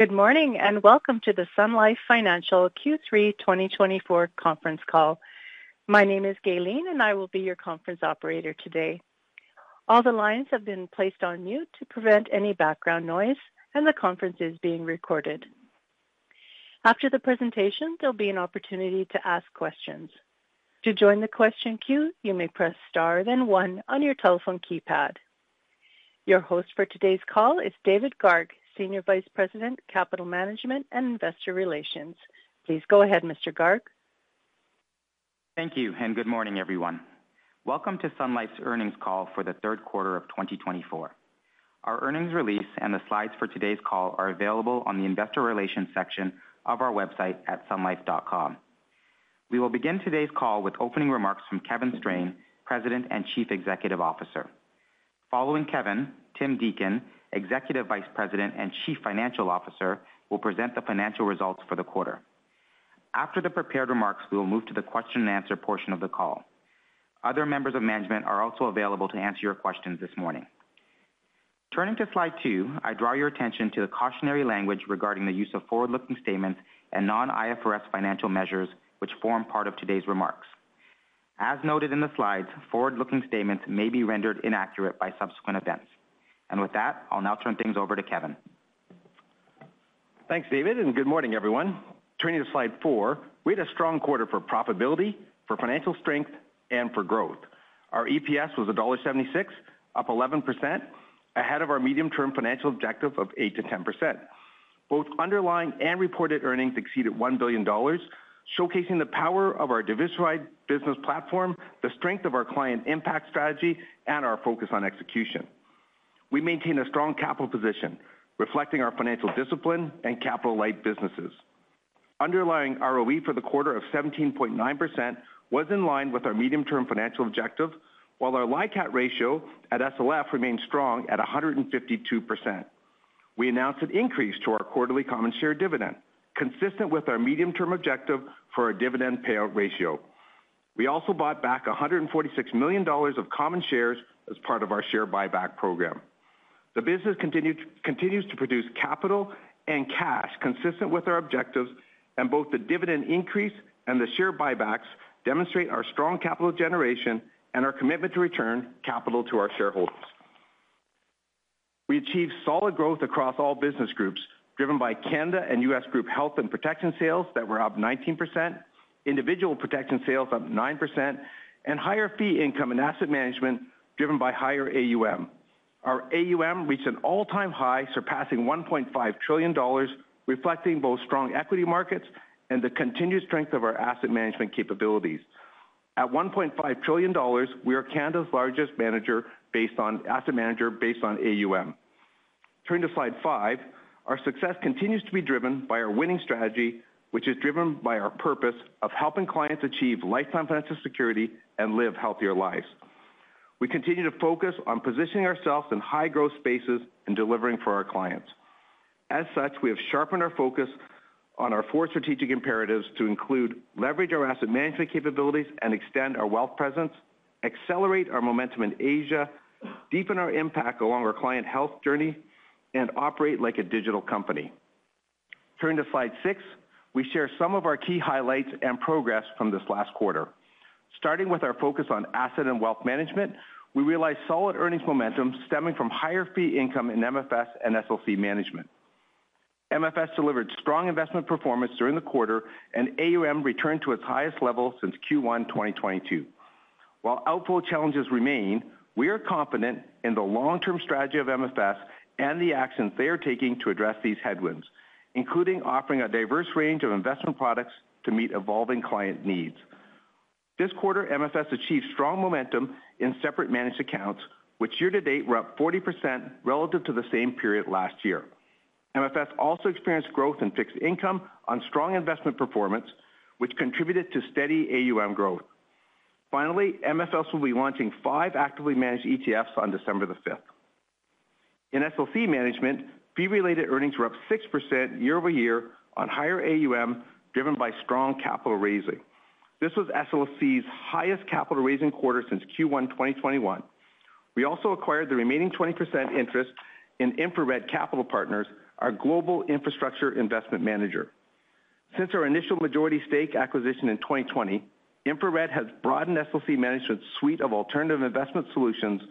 Good morning and welcome to the Sun Life Financial Q3 2024 Conference Call. My name is Gayleen, and I will be your conference operator today. All the lines have been placed on mute to prevent any background noise, and the conference is being recorded. After the presentation, there'll be an opportunity to ask questions. To join the question queue, you may press star then one on your telephone keypad. Your host for today's call is David Garg, Senior Vice President, Capital Management and Investor Relations. Please go ahead, Mr. Garg. Thank you and good morning, everyone. Welcome to Sun Life's Earnings Call for the Third Quarter of 2024. Our earnings release and the slides for today's call are available on the Investor Relations section of our website at sunlife.com. We will begin today's call with opening remarks from Kevin Strain, President and Chief Executive Officer. Following Kevin, Tim Deacon, Executive Vice President and Chief Financial Officer, will present the financial results for the quarter. After the prepared remarks, we will move to the question-and-answer portion of the call. Other members of management are also available to answer your questions this morning. Turning to slide two, I draw your attention to the cautionary language regarding the use of forward-looking statements and non-IFRS financial measures, which form part of today's remarks. As noted in the slides, forward-looking statements may be rendered inaccurate by subsequent events. With that, I'll now turn things over to Kevin. Thanks, David, and good morning, everyone. Turning to slide four, we had a strong quarter for profitability, for financial strength, and for growth. Our EPS was dollar 1.76, up 11%, ahead of our medium-term financial objective of 8%-10%. Both underlying and reported earnings exceeded 1 billion dollars, showcasing the power of our diversified business platform, the strength of our client impact strategy, and our focus on execution. We maintain a strong capital position, reflecting our financial discipline and capital-light businesses. Underlying ROE for the quarter of 17.9% was in line with our medium-term financial objective, while our LICAT ratio at SLF remained strong at 152%. We announced an increase to our quarterly common share dividend, consistent with our medium-term objective for our dividend payout ratio. We also bought back 146 million dollars of common shares as part of our share buyback program. The business continues to produce capital and cash consistent with our objectives, and both the dividend increase and the share buybacks demonstrate our strong capital generation and our commitment to return capital to our shareholders. We achieved solid growth across all business groups, driven by Canada and U.S. Group Health and Protection sales that were up 19%, Individual Protection sales up 9%, and higher fee income and asset management driven by higher AUM. Our AUM reached an all-time high, surpassing $1.5 trillion, reflecting both strong equity markets and the continued strength of our asset management capabilities. At $1.5 trillion, we are Canada's largest manager based on AUM. Turning to slide five, our success continues to be driven by our winning strategy, which is driven by our purpose of helping clients achieve lifetime financial security and live healthier lives. We continue to focus on positioning ourselves in high-growth spaces and delivering for our clients. As such, we have sharpened our focus on our four strategic imperatives to include leverage our asset management capabilities and extend our wealth presence, accelerate our momentum in Asia, deepen our impact along our client health journey, and operate like a digital company. Turning to slide six, we share some of our key highlights and progress from this last quarter. Starting with our focus on asset and wealth management, we realized solid earnings momentum stemming from higher fee income in MFS and SLC Management. MFS delivered strong investment performance during the quarter, and AUM returned to its highest level since Q1 2022. While outflow challenges remain, we are confident in the long-term strategy of MFS and the actions they are taking to address these headwinds, including offering a diverse range of investment products to meet evolving client needs. This quarter, MFS achieved strong momentum in separate managed accounts, which year-to-date were up 40% relative to the same period last year. MFS also experienced growth in fixed income on strong investment performance, which contributed to steady AUM growth. Finally, MFS will be launching five actively managed ETFs on December the 5th. In SLC Management, fee-related earnings were up 6% year-over-year on higher AUM, driven by strong capital raising. This was SLC's highest capital raising quarter since Q1 2021. We also acquired the remaining 20% interest in InfraRed Capital Partners, our global infrastructure investment manager. Since our initial majority stake acquisition in 2020, InfraRed has broadened SLC Management's suite of alternative investment solutions,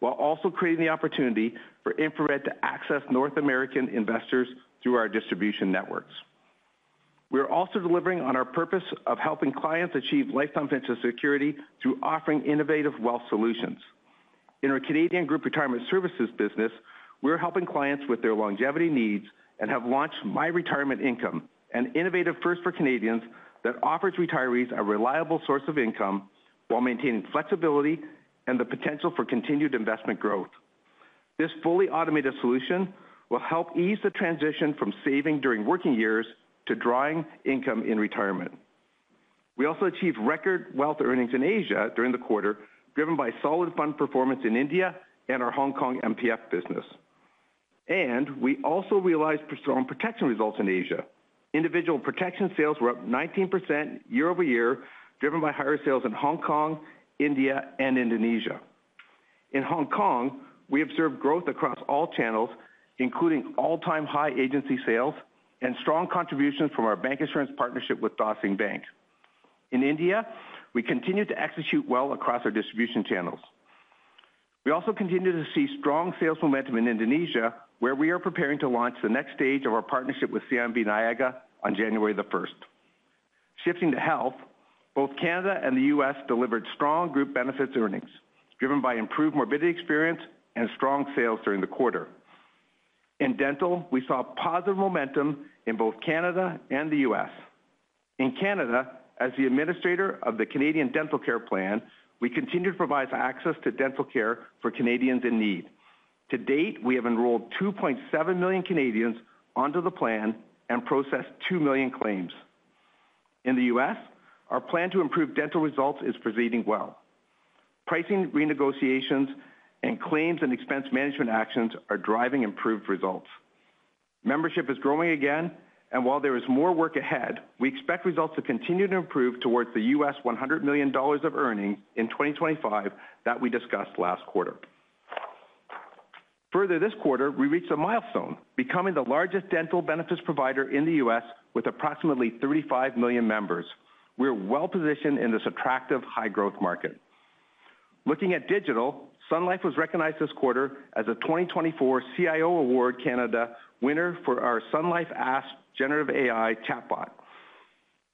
while also creating the opportunity for InfraRed to access North American investors through our distribution networks. We are also delivering on our purpose of helping clients achieve lifetime financial security through offering innovative wealth solutions. In our Canadian Group Retirement Services business, we're helping clients with their longevity needs and have launched MyRetirement Income, an innovative first for Canadians that offers retirees a reliable source of income while maintaining flexibility and the potential for continued investment growth. This fully automated solution will help ease the transition from saving during working years to drawing income in retirement. We also achieved record wealth earnings in Asia during the quarter, driven by solid fund performance in India and our Hong Kong MPF business. We also realized strong protection results in Asia. Individual Protection sales were up 19% year-over-year, driven by higher sales in Hong Kong, India, and Indonesia. In Hong Kong, we observed growth across all channels, including all-time high agency sales and strong contributions from our bank insurance partnership with Dah Sing Bank. In India, we continue to execute well across our distribution channels. We also continue to see strong sales momentum in Indonesia, where we are preparing to launch the next stage of our partnership with CIMB Niaga on January the 1st. Shifting to health, both Canada and the U.S. delivered strong group benefits earnings, driven by improved morbidity experience and strong sales during the quarter. In dental, we saw positive momentum in both Canada and the U.S. In Canada, as the administrator of the Canadian Dental Care Plan, we continue to provide access to dental care for Canadians in need. To date, we have enrolled 2.7 million Canadians onto the plan and processed 2 million claims. In the U.S., our plan to improve dental results is proceeding well. Pricing renegotiations and claims and expense management actions are driving improved results. Membership is growing again, and while there is more work ahead, we expect results to continue to improve towards the U.S. $100 million of earnings in 2025 that we discussed last quarter. Further, this quarter, we reached a milestone, becoming the largest dental benefits provider in the U.S. with approximately 35 million members. We're well positioned in this attractive high-growth market. Looking at digital, Sun Life was recognized this quarter as a 2024 CIO Award Canada winner for our Sun Life Ask Generative AI chatbot,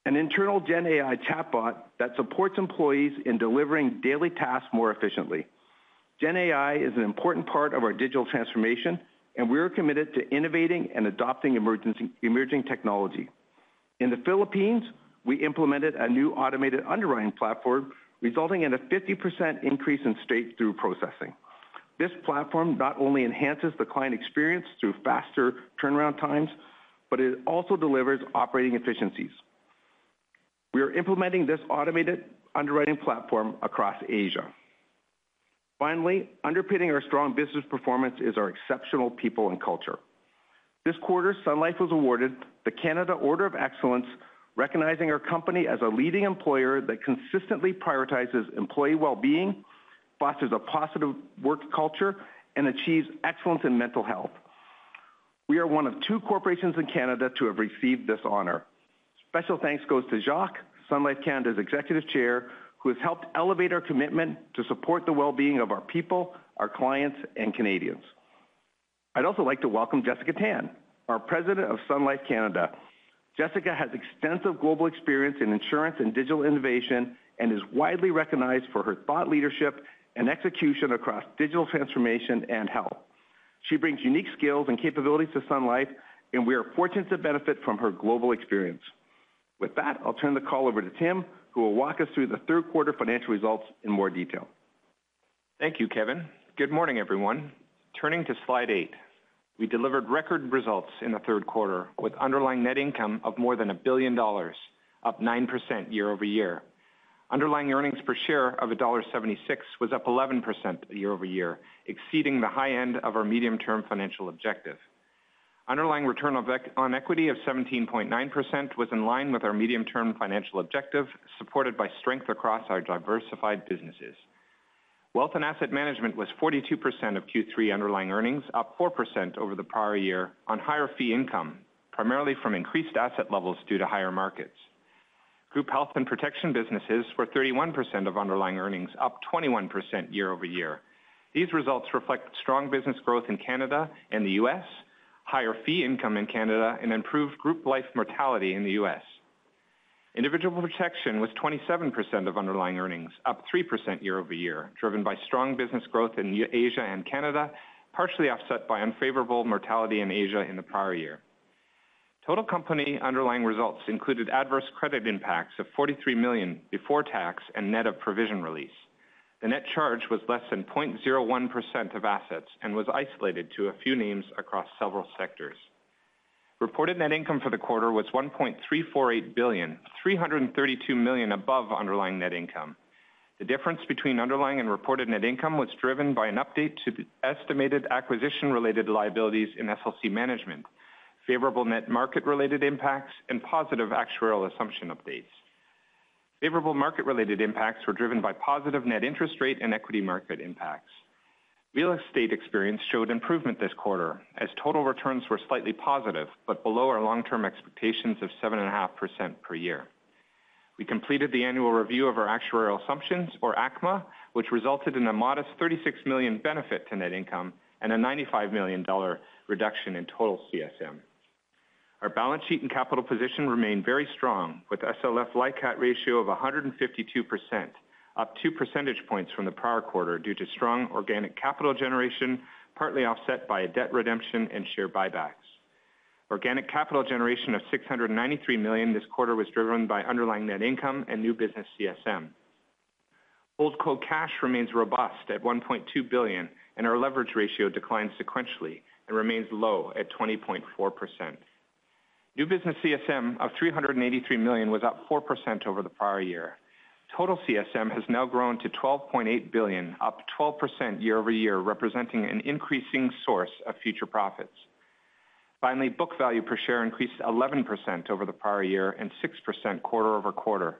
an internal Gen AI chatbot that supports employees in delivering daily tasks more efficiently. Gen AI is an important part of our digital transformation, and we are committed to innovating and adopting emerging technology. In the Philippines, we implemented a new automated underwriting platform, resulting in a 50% increase in straight-through processing. This platform not only enhances the client experience through faster turnaround times, but it also delivers operating efficiencies. We are implementing this automated underwriting platform across Asia. Finally, underpinning our strong business performance is our exceptional people and culture. This quarter, Sun Life was awarded the Canada Order of Excellence, recognizing our company as a leading employer that consistently prioritizes employee well-being, fosters a positive work culture, and achieves excellence in mental health. We are one of two corporations in Canada to have received this honor. Special thanks goes to Jacques, Sun Life Canada's Executive Chair, who has helped elevate our commitment to support the well-being of our people, our clients, and Canadians. I'd also like to welcome Jessica Tan, our President of Sun Life Canada. Jessica has extensive global experience in insurance and digital innovation and is widely recognized for her thought leadership and execution across digital transformation and health. She brings unique skills and capabilities to Sun Life, and we are fortunate to benefit from her global experience. With that, I'll turn the call over to Tim, who will walk us through the third quarter financial results in more detail. Thank you, Kevin. Good morning, everyone. Turning to slide eight, we delivered record results in the third quarter with underlying net income of more than 1 billion dollars, up 9% year-over-year. Underlying earnings per share of dollar 1.76 was up 11% year-over-year, exceeding the high end of our medium-term financial objective. Underlying return on equity of 17.9% was in line with our medium-term financial objective, supported by strength across our diversified businesses. Wealth and Asset Management was 42% of Q3 underlying earnings, up 4% over the prior year on higher fee income, primarily from increased asset levels due to higher markets. Group Health and Protection businesses were 31% of underlying earnings, up 21% year-over-year. These results reflect strong business growth in Canada and the U.S., higher fee income in Canada, and improved group life mortality in the U.S. Individual Protection was 27% of underlying earnings, up 3% year-over-year, driven by strong business growth in Asia and Canada, partially offset by unfavorable mortality in Asia in the prior year. Total company underlying results included adverse credit impacts of 43 million before tax and net of provision release. The net charge was less than 0.01% of assets and was isolated to a few names across several sectors. Reported net income for the quarter was 1.348 billion, 332 million above underlying net income. The difference between underlying and reported net income was driven by an update to estimated acquisition-related liabilities in SLC Management, favorable net market-related impacts, and positive actuarial assumption updates. Favorable market-related impacts were driven by positive net interest rate and equity market impacts. Real estate experience showed improvement this quarter, as total returns were slightly positive, but below our long-term expectations of 7.5% per year. We completed the annual review of our actuarial assumptions, or ACMA, which resulted in a modest 36 million benefit to net income and a 95 million dollar reduction in total CSM. Our balance sheet and capital position remained very strong, with SLF LICAT ratio of 152%, up 2 percentage points from the prior quarter due to strong organic capital generation, partly offset by debt redemption and share buybacks. Organic capital generation of 693 million this quarter was driven by underlying net income and new business CSM. Holdco cash remains robust at 1.2 billion, and our leverage ratio declined sequentially and remains low at 20.4%. New business CSM of 383 million was up 4% over the prior year. Total CSM has now grown to 12.8 billion, up 12% year-over-year, representing an increasing source of future profits. Finally, book value per share increased 11% over the prior year and 6% quarter over quarter.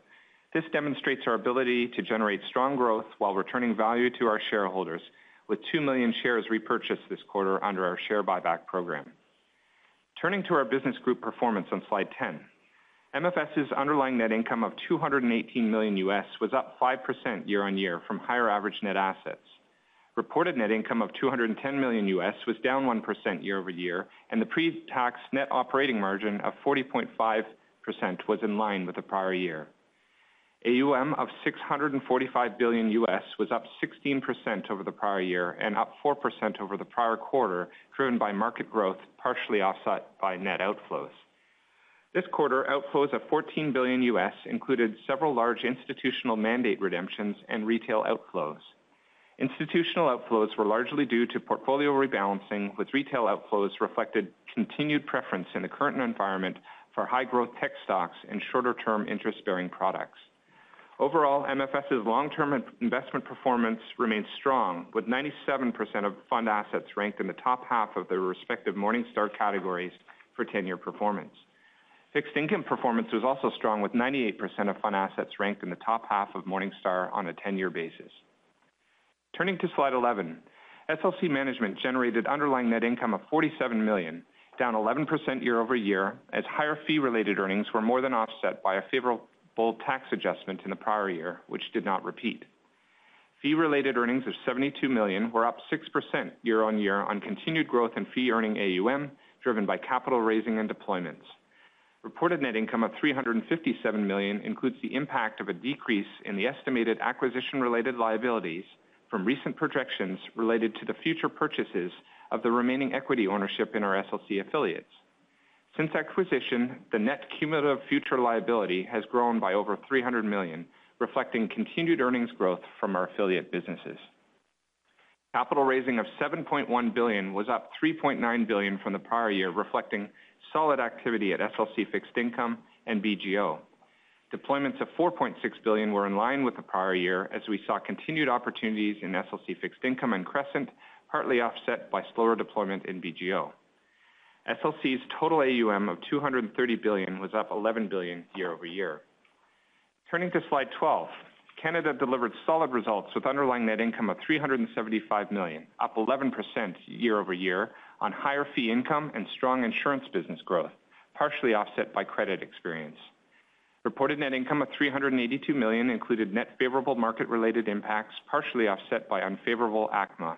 This demonstrates our ability to generate strong growth while returning value to our shareholders, with two million shares repurchased this quarter under our share buyback program. Turning to our business group performance on slide 10, MFS's underlying net income of $218 million was up 5% year-on-year from higher average net assets. Reported net income of $210 million was down 1% year-over-year, and the pre-tax net operating margin of 40.5% was in line with the prior year. AUM of $645 billion was up 16% over the prior year and up 4% over the prior quarter, driven by market growth, partially offset by net outflows. This quarter, outflows of $14 billion included several large institutional mandate redemptions and retail outflows. Institutional outflows were largely due to portfolio rebalancing, with retail outflows reflecting continued preference in the current environment for high-growth tech stocks and shorter-term interest-bearing products. Overall, MFS's long-term investment performance remained strong, with 97% of fund assets ranked in the top half of their respective Morningstar categories for 10-year performance. Fixed income performance was also strong, with 98% of fund assets ranked in the top half of Morningstar on a 10-year basis. Turning to slide 11, SLC Management generated underlying net income of 47 million, down 11% year-over-year, as higher fee-related earnings were more than offset by a favorable tax adjustment in the prior year, which did not repeat. Fee-related earnings of 72 million were up 6% year-on-year on continued growth in fee-earning AUM, driven by capital raising and deployments. Reported net income of 357 million includes the impact of a decrease in the estimated acquisition-related liabilities from recent projections related to the future purchases of the remaining equity ownership in our SLC affiliates. Since acquisition, the net cumulative future liability has grown by over 300 million, reflecting continued earnings growth from our affiliate businesses. Capital raising of 7.1 billion was up 3.9 billion from the prior year, reflecting solid activity at SLC Fixed Income and BGO. Deployments of 4.6 billion were in line with the prior year, as we saw continued opportunities in SLC Fixed Income and Crescent, partly offset by slower deployment in BGO. SLC's total AUM of 230 billion was up 11 billion year-over-year. Turning to slide 12, Canada delivered solid results with underlying net income of 375 million, up 11% year-over-year on higher fee income and strong insurance business growth, partially offset by credit experience. Reported net income of 382 million included net favorable market-related impacts, partially offset by unfavorable ACMA.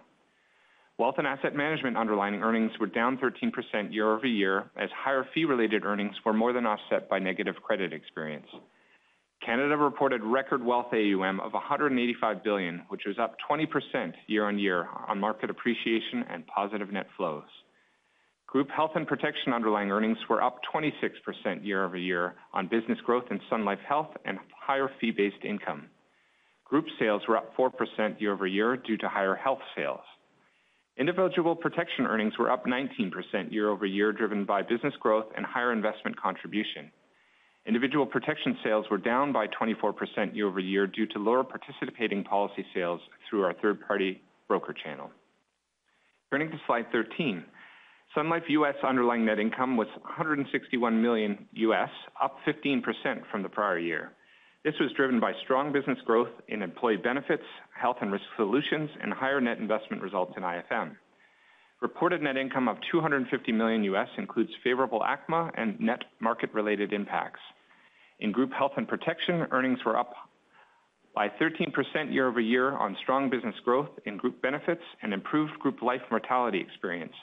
Wealth and asset management underlying earnings were down 13% year-over-year, as higher fee-related earnings were more than offset by negative credit experience. Canada reported record wealth AUM of 185 billion, which was up 20% year-on-year on market appreciation and positive net flows. Group Health and Protection underlying earnings were up 26% year-over-year on business growth in Sun Life Health and higher fee-based income. Group sales were up 4% year-over-year due to higher health sales. Individual Protection earnings were up 19% year-over-year, driven by business growth and higher investment contribution. Individual Protection sales were down by 24% year-over-year due to lower participating policy sales through our third-party broker channel. Turning to slide 13, Sun Life U.S. underlying net income was $161 million, up 15% from the prior year. This was driven by strong business growth in employee benefits, health and risk solutions, and higher net investment results in IFM. Reported net income of 250 million includes favorable ACMA and net market-related impacts. In group health and protection, earnings were up by 13% year-over-year on strong business growth in group benefits and improved group life mortality experience,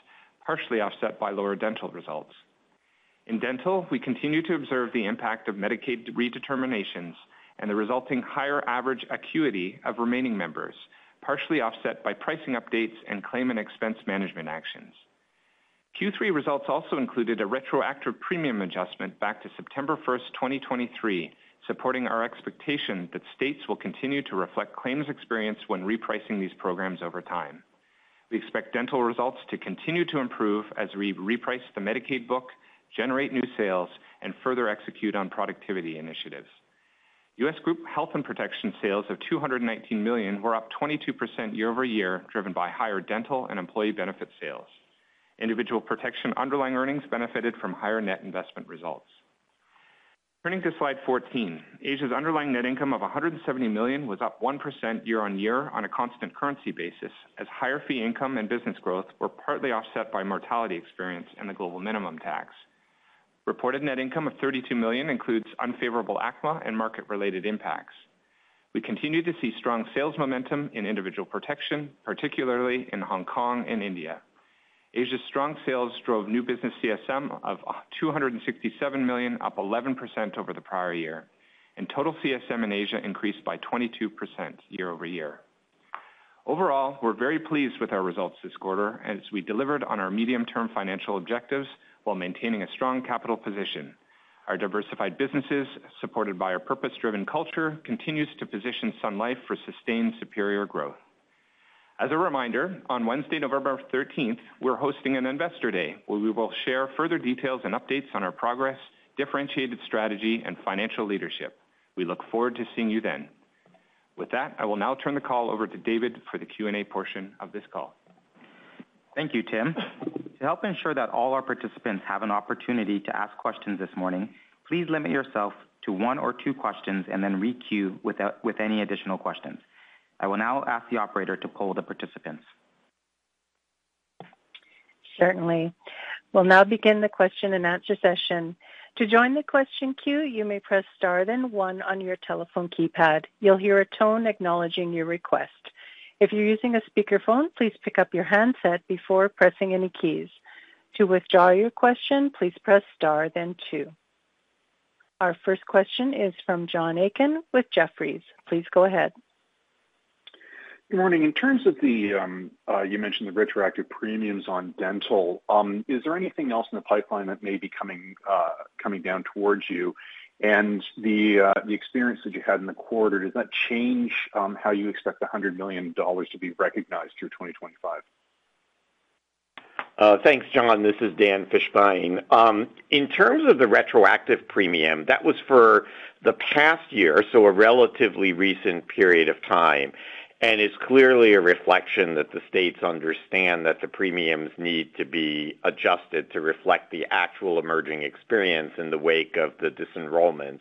partially offset by lower dental results. In dental, we continue to observe the impact of Medicaid redeterminations and the resulting higher average acuity of remaining members, partially offset by pricing updates and claim and expense management actions. Q3 results also included a retroactive premium adjustment back to September 1, 2023, supporting our expectation that states will continue to reflect claims experience when repricing these programs over time. We expect dental results to continue to improve as we reprice the Medicaid book, generate new sales, and further execute on productivity initiatives. U.S. group health and protection sales of $219 million were up 22% year-over-year, driven by higher dental and employee benefit sales. Individual Protection underlying earnings benefited from higher net investment results. Turning to slide 14, Asia's underlying net income of 170 million was up 1% year-on-year on a constant currency basis, as higher fee income and business growth were partly offset by mortality experience and the global minimum tax. Reported net income of 32 million includes unfavorable ACMA and market-related impacts. We continue to see strong sales momentum in Individual Protection, particularly in Hong Kong and India. Asia's strong sales drove new business CSM of 267 million, up 11% over the prior year. In total, CSM in Asia increased by 22% year-over-year. Overall, we're very pleased with our results this quarter, as we delivered on our medium-term financial objectives while maintaining a strong capital position. Our diversified businesses, supported by our purpose-driven culture, continue to position Sun Life for sustained superior growth. As a reminder, on Wednesday, November 13, we're hosting an Investor Day, where we will share further details and updates on our progress, differentiated strategy, and financial leadership. We look forward to seeing you then. With that, I will now turn the call over to David for the Q&A portion of this call. Thank you, Tim. To help ensure that all our participants have an opportunity to ask questions this morning, please limit yourself to one or two questions and then re-queue with any additional questions. I will now ask the operator to poll the participants. Certainly. We'll now begin the question-and-answer session. To join the question queue, you may press star then one on your telephone keypad. You'll hear a tone acknowledging your request. If you're using a speakerphone, please pick up your handset before pressing any keys. To withdraw your question, please press star then two. Our first question is from John Aiken with Jefferies. Please go ahead. Good morning. In terms of the retroactive premiums on dental you mentioned, is there anything else in the pipeline that may be coming down towards you? And the experience that you had in the quarter, does that change how you expect $100 million to be recognized through 2025? Thanks, John. This is Dan Fishbein. In terms of the retroactive premium, that was for the past year, so a relatively recent period of time, and it's clearly a reflection that the states understand that the premiums need to be adjusted to reflect the actual emerging experience in the wake of the disenrollments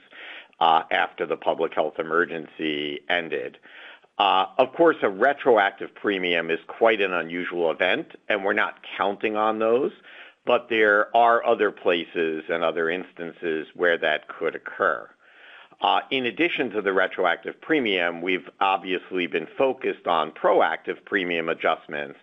after the public health emergency ended. Of course, a retroactive premium is quite an unusual event, and we're not counting on those, but there are other places and other instances where that could occur. In addition to the retroactive premium, we've obviously been focused on proactive premium adjustments,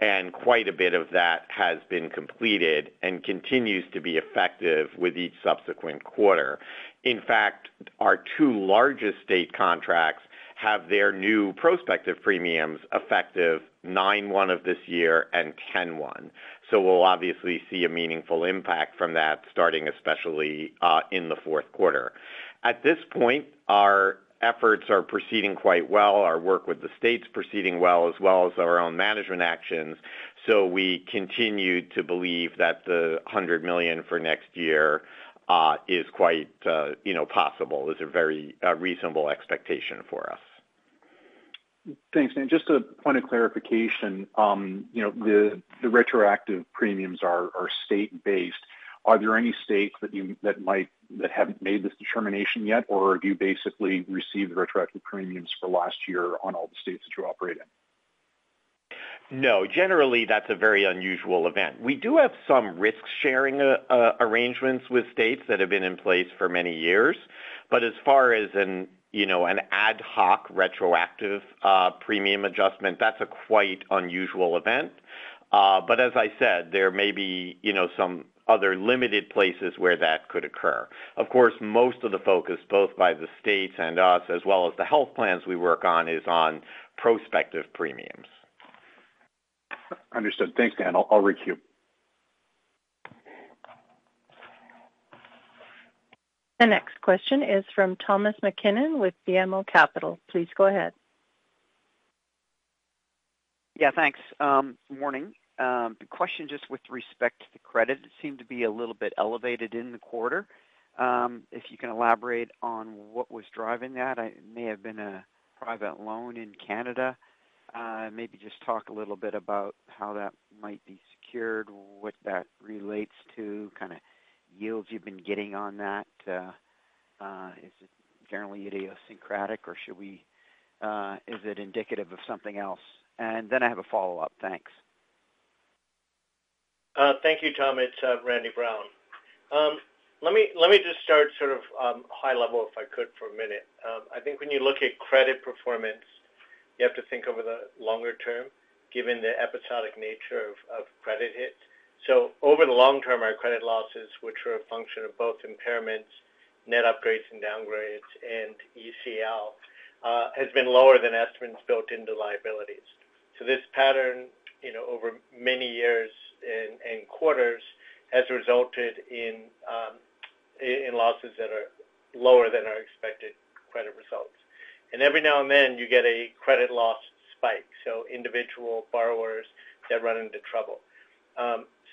and quite a bit of that has been completed and continues to be effective with each subsequent quarter. In fact, our two largest state contracts have their new prospective premiums effective 9/1 of this year and 10/1. So we'll obviously see a meaningful impact from that, starting especially in the fourth quarter. At this point, our efforts are proceeding quite well. Our work with the states is proceeding well, as well as our own management actions. So we continue to believe that the 100 million for next year is quite possible, is a very reasonable expectation for us. Thanks, Dan. Just a point of clarification. The retroactive premiums are state-based. Are there any states that haven't made this determination yet, or have you basically received retroactive premiums for last year on all the states that you operate in? No. Generally, that's a very unusual event. We do have some risk-sharing arrangements with states that have been in place for many years. But as far as an ad hoc retroactive premium adjustment, that's a quite unusual event. But as I said, there may be some other limited places where that could occur. Of course, most of the focus, both by the states and us, as well as the health plans we work on, is on prospective premiums. Understood. Thanks, Dan. I'll re-queue. The next question is from Thomas MacKinnon with BMO Capital. Please go ahead. Yeah, thanks. Morning. The question just with respect to the credit, it seemed to be a little bit elevated in the quarter. If you can elaborate on what was driving that. It may have been a private loan in Canada. Maybe just talk a little bit about how that might be secured, what that relates to, kind of yields you've been getting on that. Is it generally idiosyncratic, or is it indicative of something else? And then I have a follow-up. Thanks. Thank you, Tom. It's Randy Brown. Let me just start sort of high level, if I could, for a minute. I think when you look at credit performance, you have to think over the longer term, given the episodic nature of credit hits, so over the long term, our credit losses, which were a function of both impairments, net upgrades and downgrades, and ECL, have been lower than estimates built into liabilities. So this pattern over many years and quarters has resulted in losses that are lower than our expected credit results, and every now and then, you get a credit loss spike, so individual borrowers that run into trouble,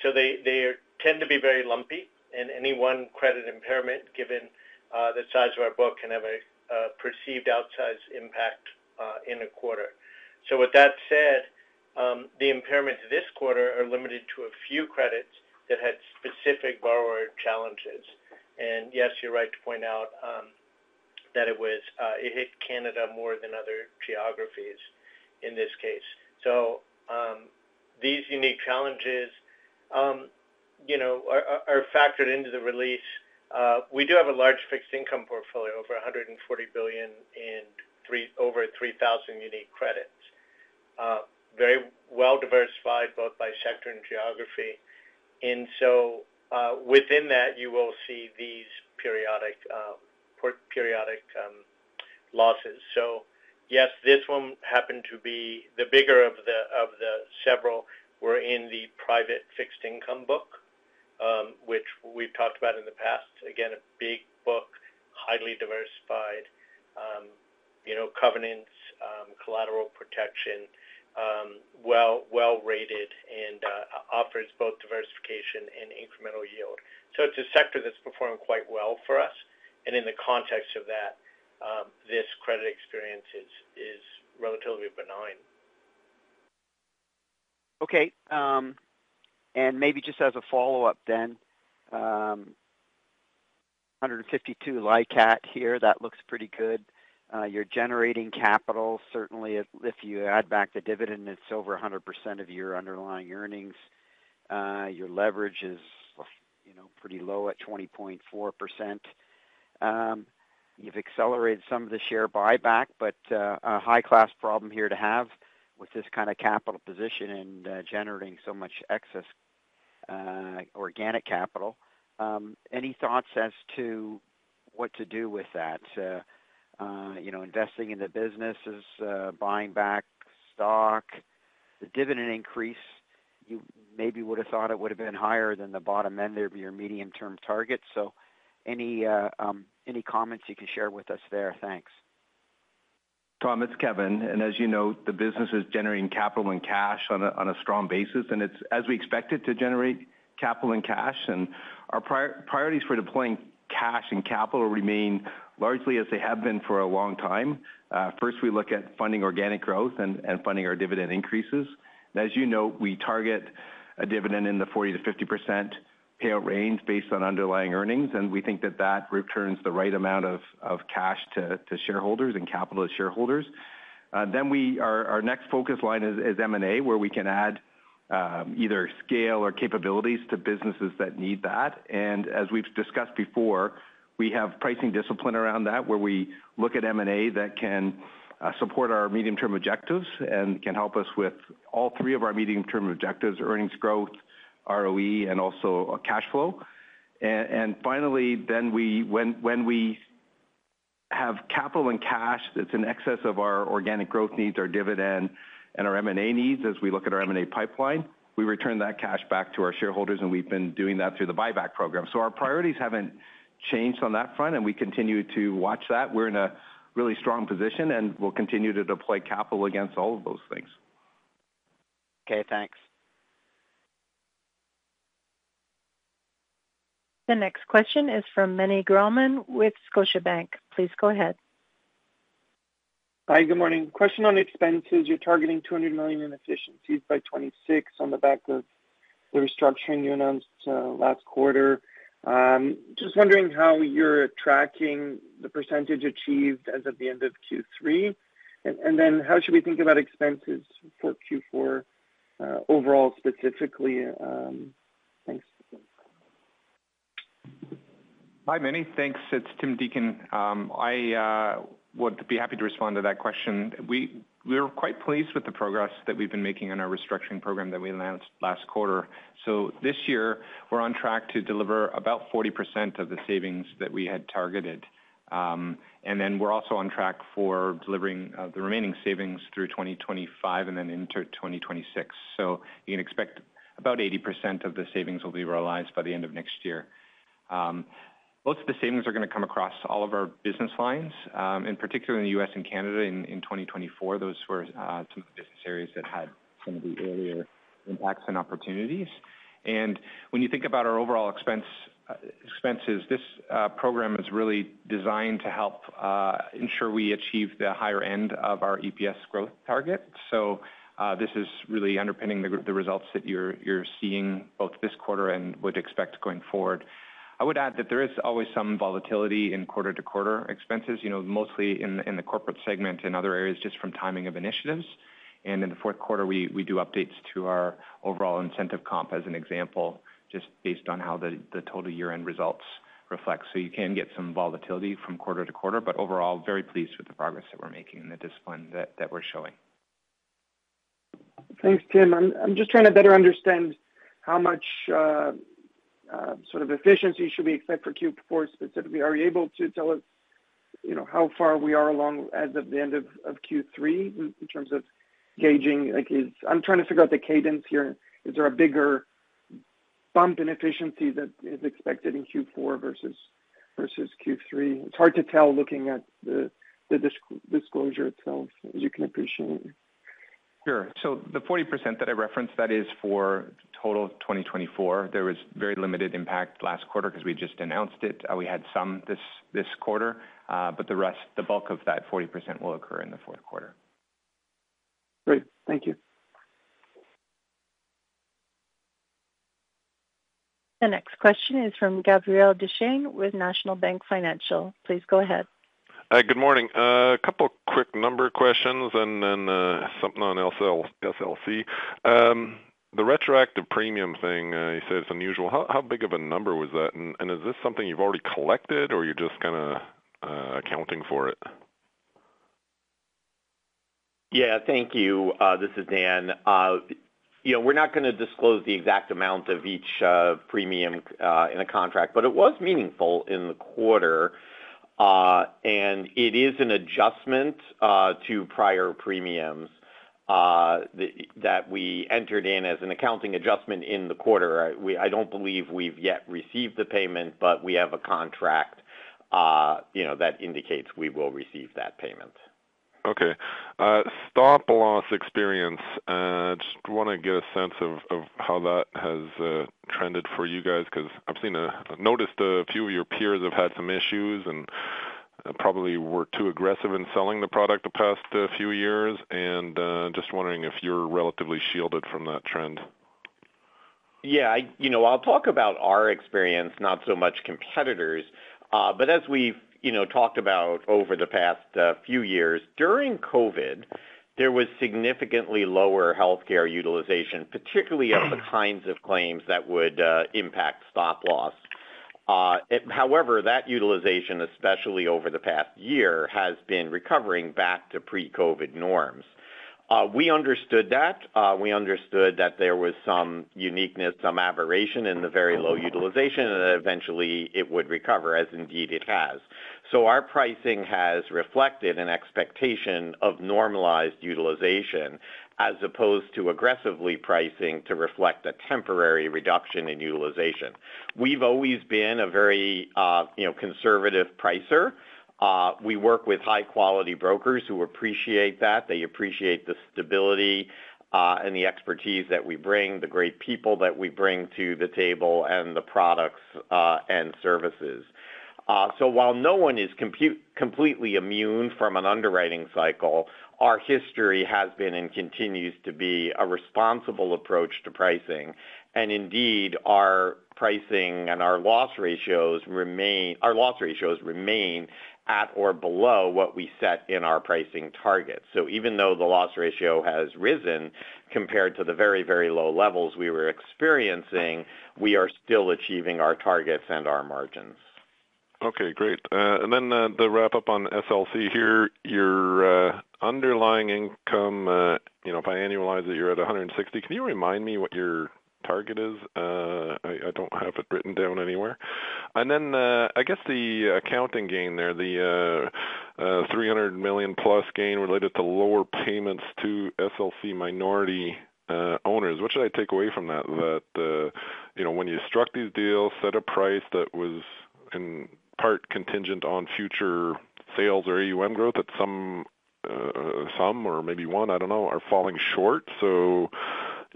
so they tend to be very lumpy, and any one credit impairment, given the size of our book, can have a perceived outsized impact in a quarter. So with that said, the impairments this quarter are limited to a few credits that had specific borrower challenges. And yes, you're right to point out that it hit Canada more than other geographies in this case. So these unique challenges are factored into the release. We do have a large fixed income portfolio of 140 billion and over 3,000 unique credits, very well diversified both by sector and geography. And so within that, you will see these periodic losses. So yes, this one happened to be the bigger of the several were in the private fixed income book, which we've talked about in the past. Again, a big book, highly diversified, covenants, collateral protection, well-rated, and offers both diversification and incremental yield. So it's a sector that's performing quite well for us. And in the context of that, this credit experience is relatively benign. Okay. And maybe just as a follow-up, then, 152 LICAT here. That looks pretty good. You're generating capital. Certainly, if you add back the dividend, it's over 100% of your underlying earnings. Your leverage is pretty low at 20.4%. You've accelerated some of the share buyback, but a high-class problem here to have with this kind of capital position and generating so much excess organic capital. Any thoughts as to what to do with that? Investing in the businesses, buying back stock, the dividend increase, you maybe would have thought it would have been higher than the bottom end of your medium-term target. So any comments you can share with us there? Thanks. Tom, it's Kevin. And as you know, the business is generating capital and cash on a strong basis. And it's as we expected to generate capital and cash. And our priorities for deploying cash and capital remain largely as they have been for a long time. First, we look at funding organic growth and funding our dividend increases. And as you know, we target a dividend in the 40%-50% payout range based on underlying earnings. And we think that that returns the right amount of cash to shareholders and capital to shareholders. Then our next focus line is M&A, where we can add either scale or capabilities to businesses that need that. And as we've discussed before, we have pricing discipline around that, where we look at M&A that can support our medium-term objectives and can help us with all three of our medium-term objectives: earnings growth, ROE, and also cash flow. And finally, then when we have capital and cash that's in excess of our organic growth needs, our dividend, and our M&A needs, as we look at our M&A pipeline, we return that cash back to our shareholders. And we've been doing that through the buyback program. So our priorities haven't changed on that front, and we continue to watch that. We're in a really strong position, and we'll continue to deploy capital against all of those things. Okay. Thanks. The next question is from Meny Grauman with Scotiabank. Please go ahead. Hi. Good morning. Question on expenses. You're targeting 200 million in efficiencies by 2026 on the back of the restructuring you announced last quarter. Just wondering how you're tracking the percentage achieved as of the end of Q3. And then how should we think about expenses for Q4 overall specifically? Thanks. Hi, Manny. Thanks. It's Tim Deacon. I would be happy to respond to that question. We're quite pleased with the progress that we've been making on our restructuring program that we announced last quarter. So this year, we're on track to deliver about 40% of the savings that we had targeted. And then we're also on track for delivering the remaining savings through 2025 and then into 2026. So you can expect about 80% of the savings will be realized by the end of next year. Most of the savings are going to come across all of our business lines, in particular in the U.S. and Canada in 2024. Those were some of the business areas that had some of the earlier impacts and opportunities. And when you think about our overall expenses, this program is really designed to help ensure we achieve the higher end of our EPS growth target. So this is really underpinning the results that you're seeing both this quarter and would expect going forward. I would add that there is always some volatility in quarter-to-quarter expenses, mostly in the corporate segment and other areas just from timing of initiatives. And in the fourth quarter, we do updates to our overall incentive comp, as an example, just based on how the total year-end results reflect. So you can get some volatility from quarter to quarter. But overall, very pleased with the progress that we're making and the discipline that we're showing. Thanks, Tim. I'm just trying to better understand how much sort of efficiency should we expect for Q4 specifically? Are you able to tell us how far we are along as of the end of Q3 in terms of gauging? I'm trying to figure out the cadence here. Is there a bigger bump in efficiency that is expected in Q4 versus Q3? It's hard to tell looking at the disclosure itself, as you can appreciate. Sure. So the 40% that I referenced, that is for total 2024. There was very limited impact last quarter because we just announced it. We had some this quarter. But the bulk of that 40% will occur in the fourth quarter. Great. Thank you. The next question is from Gabriel Dechaine with National Bank Financial. Please go ahead. Good morning. A couple of quick number questions and then something on SLC. The retroactive premium thing, you said it's unusual. How big of a number was that? And is this something you've already collected, or you're just kind of accounting for it? Yeah. Thank you. This is Dan. We're not going to disclose the exact amount of each premium in the contract, but it was meaningful in the quarter, and it is an adjustment to prior premiums that we entered in as an accounting adjustment in the quarter. I don't believe we've yet received the payment, but we have a contract that indicates we will receive that payment. Okay. Stop-loss experience. Just want to get a sense of how that has trended for you guys because I've noticed a few of your peers have had some issues and probably were too aggressive in selling the product the past few years, and just wondering if you're relatively shielded from that trend? Yeah. I'll talk about our experience, not so much competitors. But as we've talked about over the past few years, during COVID, there was significantly lower healthcare utilization, particularly of the kinds of claims that would impact stop-loss. However, that utilization, especially over the past year, has been recovering back to pre-COVID norms. We understood that. We understood that there was some uniqueness, some aberration in the very low utilization, and eventually, it would recover, as indeed it has. So our pricing has reflected an expectation of normalized utilization as opposed to aggressively pricing to reflect a temporary reduction in utilization. We've always been a very conservative pricer. We work with high-quality brokers who appreciate that. They appreciate the stability and the expertise that we bring, the great people that we bring to the table, and the products and services. So while no one is completely immune from an underwriting cycle, our history has been and continues to be a responsible approach to pricing. And indeed, our pricing and our loss ratios remain at or below what we set in our pricing target. So even though the loss ratio has risen compared to the very, very low levels we were experiencing, we are still achieving our targets and our margins. Okay. Great. And then to wrap up on SLC here, your underlying income, if I annualize it, you're at 160. Can you remind me what your target is? I don't have it written down anywhere. And then I guess the accounting gain there, the 300 million-plus gain related to lower payments to SLC minority owners. What should I take away from that? That when you struck these deals, set a price that was in part contingent on future sales or EUM growth, that some or maybe one, I don't know, are falling short. So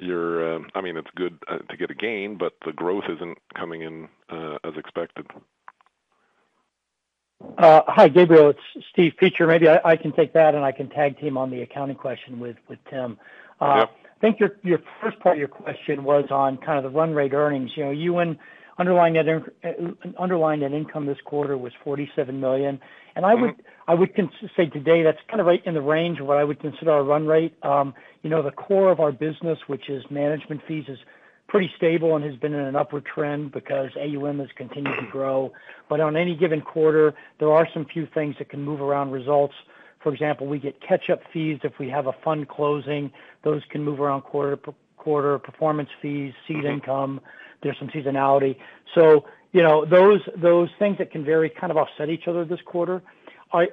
I mean, it's good to get a gain, but the growth isn't coming in as expected. Hi, Gabriel. It's Steve Peacher. Maybe I can take that, and I can tag team on the accounting question with Tim. I think your first part of your question was on kind of the run rate earnings. Our underlying net income this quarter was 47 million. And I would say today, that's kind of right in the range of what I would consider our run rate. The core of our business, which is management fees, is pretty stable and has been in an upward trend because AUM has continued to grow. But on any given quarter, there are some few things that can move around results. For example, we get catch-up fees if we have a fund closing. Those can move around quarter-to-quarter performance fees, seed income. There's some seasonality. So those things that can vary kind of offset each other this quarter.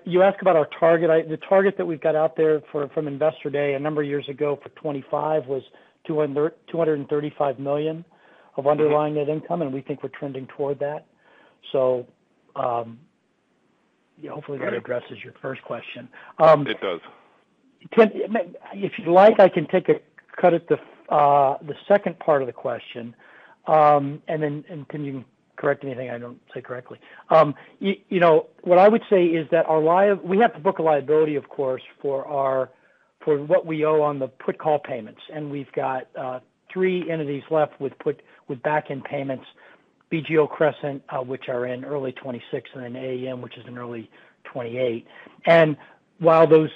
You ask about our target. The target that we've got out there from Investor Day a number of years ago for 2025 was 235 million of underlying net income. And we think we're trending toward that. So hopefully, that addresses your first question. It does. If you'd like, I can take a cut at the second part of the question. And then you can correct anything I don't say correctly. What I would say is that we have to book a liability, of course, for what we owe on the put-call payments. And we've got three entities left with back-end payments, BGO, Crescent, which are in early 2026, and then AAM, which is in early 2028. And while those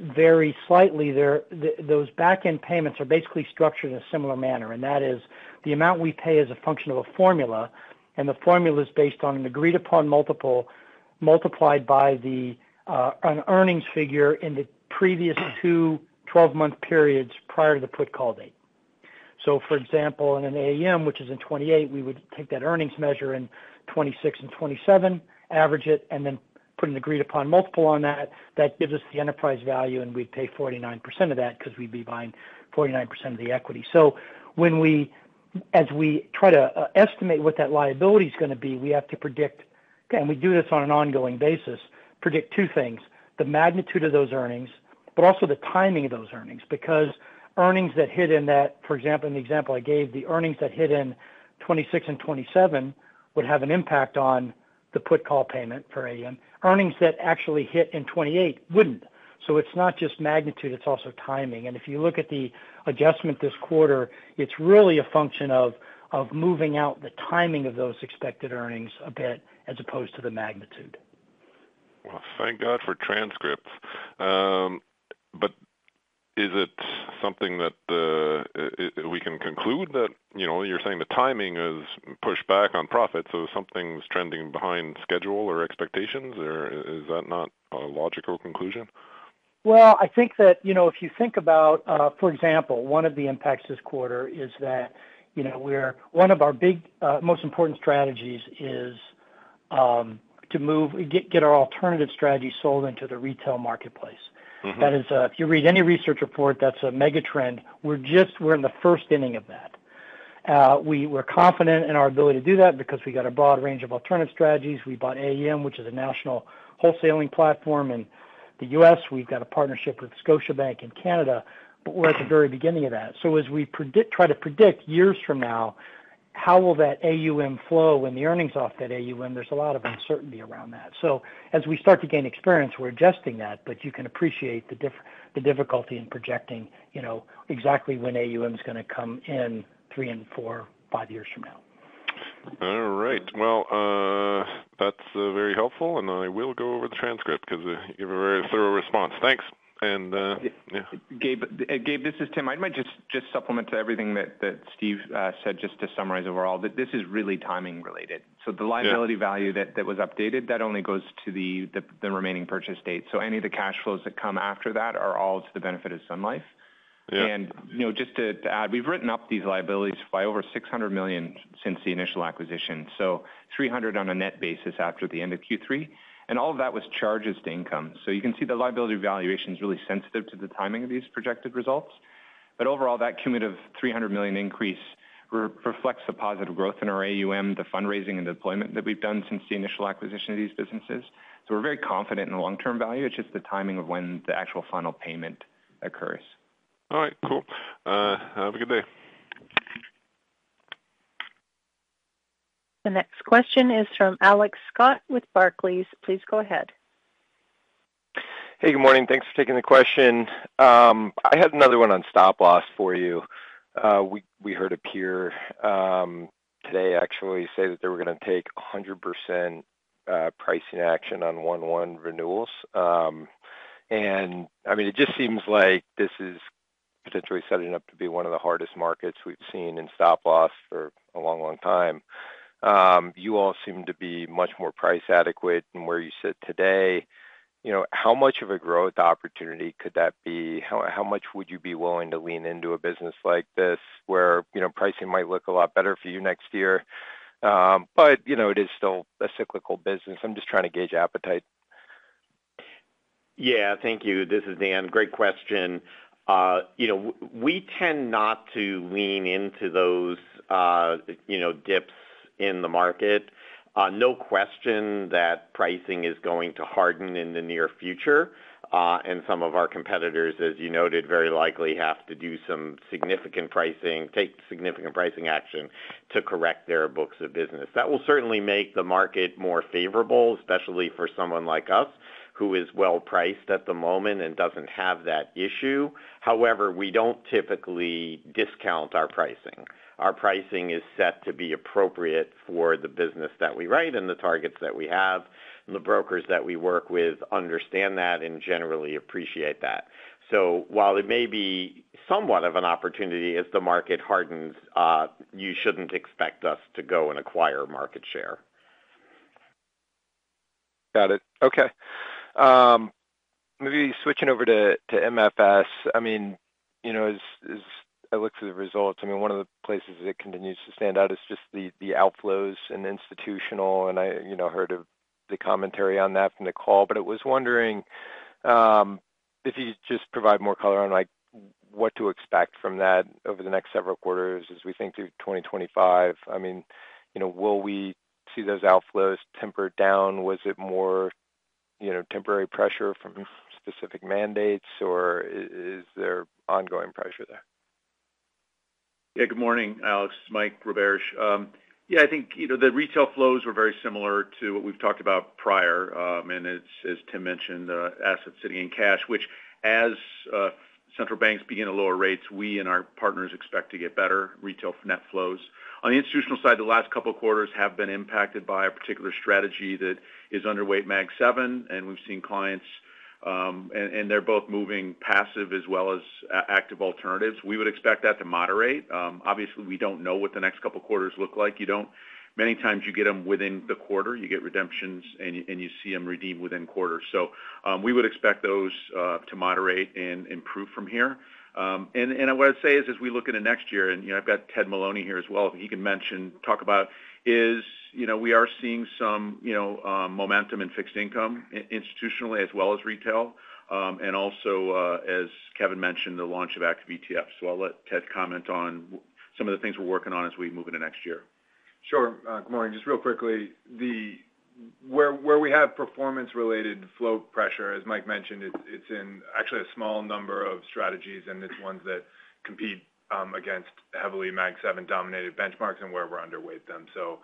vary slightly, those back-end payments are basically structured in a similar manner. And that is the amount we pay as a function of a formula. And the formula is based on an agreed-upon multiple multiplied by an earnings figure in the previous two 12-month periods prior to the put-call date. So for example, in an AAM, which is in 2028, we would take that earnings measure in 2026 and 2027, average it, and then put an agreed-upon multiple on that. That gives us the enterprise value. And we'd pay 49% of that because we'd be buying 49% of the equity. So as we try to estimate what that liability is going to be, we have to predict, and we do this on an ongoing basis, predict two things: the magnitude of those earnings, but also the timing of those earnings. Because earnings that hit in that, for example, in the example I gave, the earnings that hit in 2026 and 2027 would have an impact on the put-call payment for AAM. Earnings that actually hit in 2028 wouldn't. So it's not just magnitude. It's also timing. If you look at the adjustment this quarter, it's really a function of moving out the timing of those expected earnings a bit as opposed to the magnitude. Well, thank God for transcripts. But is it something that we can conclude that you're saying the timing has pushed back on profits? So something's trending behind schedule or expectations? Or is that not a logical conclusion? I think that if you think about, for example, one of the impacts this quarter is that one of our big most important strategies is to get our alternative strategy sold into the retail marketplace. That is, if you read any research report, that's a mega trend. We're in the first inning of that. We're confident in our ability to do that because we've got a broad range of alternative strategies. We bought AAM, which is a national wholesaling platform in the U.S. We've got a partnership with Scotiabank in Canada. But we're at the very beginning of that. As we try to predict years from now, how will that AUM flow when the earnings off that AUM? There's a lot of uncertainty around that. As we start to gain experience, we're adjusting that. But you can appreciate the difficulty in projecting exactly when AUM is going to come in three and four, five years from now. All right. Well, that's very helpful. And I will go over the transcript because you gave a very thorough response. Thanks. And yeah. Gabe, this is Tim. I might just supplement to everything that Steve said just to summarize overall that this is really timing-related. So the liability value that was updated, that only goes to the remaining purchase date. So any of the cash flows that come after that are all to the benefit of Sun Life. And just to add, we've written up these liabilities by over 600 million since the initial acquisition. So 300 million on a net basis after the end of Q3. And all of that was charged to income. So you can see the liability valuation is really sensitive to the timing of these projected results. But overall, that cumulative 300 million increase reflects the positive growth in our AUM, the fundraising and deployment that we've done since the initial acquisition of these businesses. So we're very confident in the long-term value. It's just the timing of when the actual final payment occurs. All right. Cool. Have a good day. The next question is from Alex Scott with Barclays. Please go ahead. Hey, good morning. Thanks for taking the question. I had another one on stop-loss for you. We heard a peer today, actually, say that they were going to take 100% pricing action on 1-1 renewals. And I mean, it just seems like this is potentially setting up to be one of the hardest markets we've seen in stop-loss for a long, long time. You all seem to be much more price adequate in where you sit today. How much of a growth opportunity could that be? How much would you be willing to lean into a business like this where pricing might look a lot better for you next year? But it is still a cyclical business. I'm just trying to gauge appetite. Yeah. Thank you. This is Dan. Great question. We tend not to lean into those dips in the market. No question that pricing is going to harden in the near future. And some of our competitors, as you noted, very likely have to do some significant pricing, take significant pricing action to correct their books of business. That will certainly make the market more favorable, especially for someone like us who is well-priced at the moment and doesn't have that issue. However, we don't typically discount our pricing. Our pricing is set to be appropriate for the business that we write and the targets that we have. And the brokers that we work with understand that and generally appreciate that. So while it may be somewhat of an opportunity, as the market hardens, you shouldn't expect us to go and acquire market share. Got it. Okay. Maybe switching over to MFS. I mean, as I look through the results, I mean, one of the places that continues to stand out is just the outflows and institutional. And I heard the commentary on that from the call. But I was wondering if you could just provide more color on what to expect from that over the next several quarters as we think through 2025. I mean, will we see those outflows tempered down? Was it more temporary pressure from specific mandates, or is there ongoing pressure there? Yeah. Good morning, Alex. Mike Roberge. Yeah. I think the retail flows were very similar to what we've talked about prior. And as Tim mentioned, assets sitting in cash, which as central banks begin to lower rates, we and our partners expect to get better retail net flows. On the institutional side, the last couple of quarters have been impacted by a particular strategy that is underweight Mag 7. And we've seen clients, and they're both moving passive as well as active alternatives. We would expect that to moderate. Obviously, we don't know what the next couple of quarters look like. Many times, you get them within the quarter. You get redemptions, and you see them redeem within quarters. So we would expect those to moderate and improve from here. And what I'd say is, as we look into next year, and I've got Ted Maloney here as well, if he can talk about, is we are seeing some momentum in fixed income institutionally as well as retail. And also, as Kevin mentioned, the launch of active ETFs. So I'll let Ted comment on some of the things we're working on as we move into next year. Sure. Good morning. Just real quickly, where we have performance-related flow pressure, as Mike mentioned, it's in actually a small number of strategies, and it's ones that compete against heavily Mag 7 dominated benchmarks and where we're underweight them, so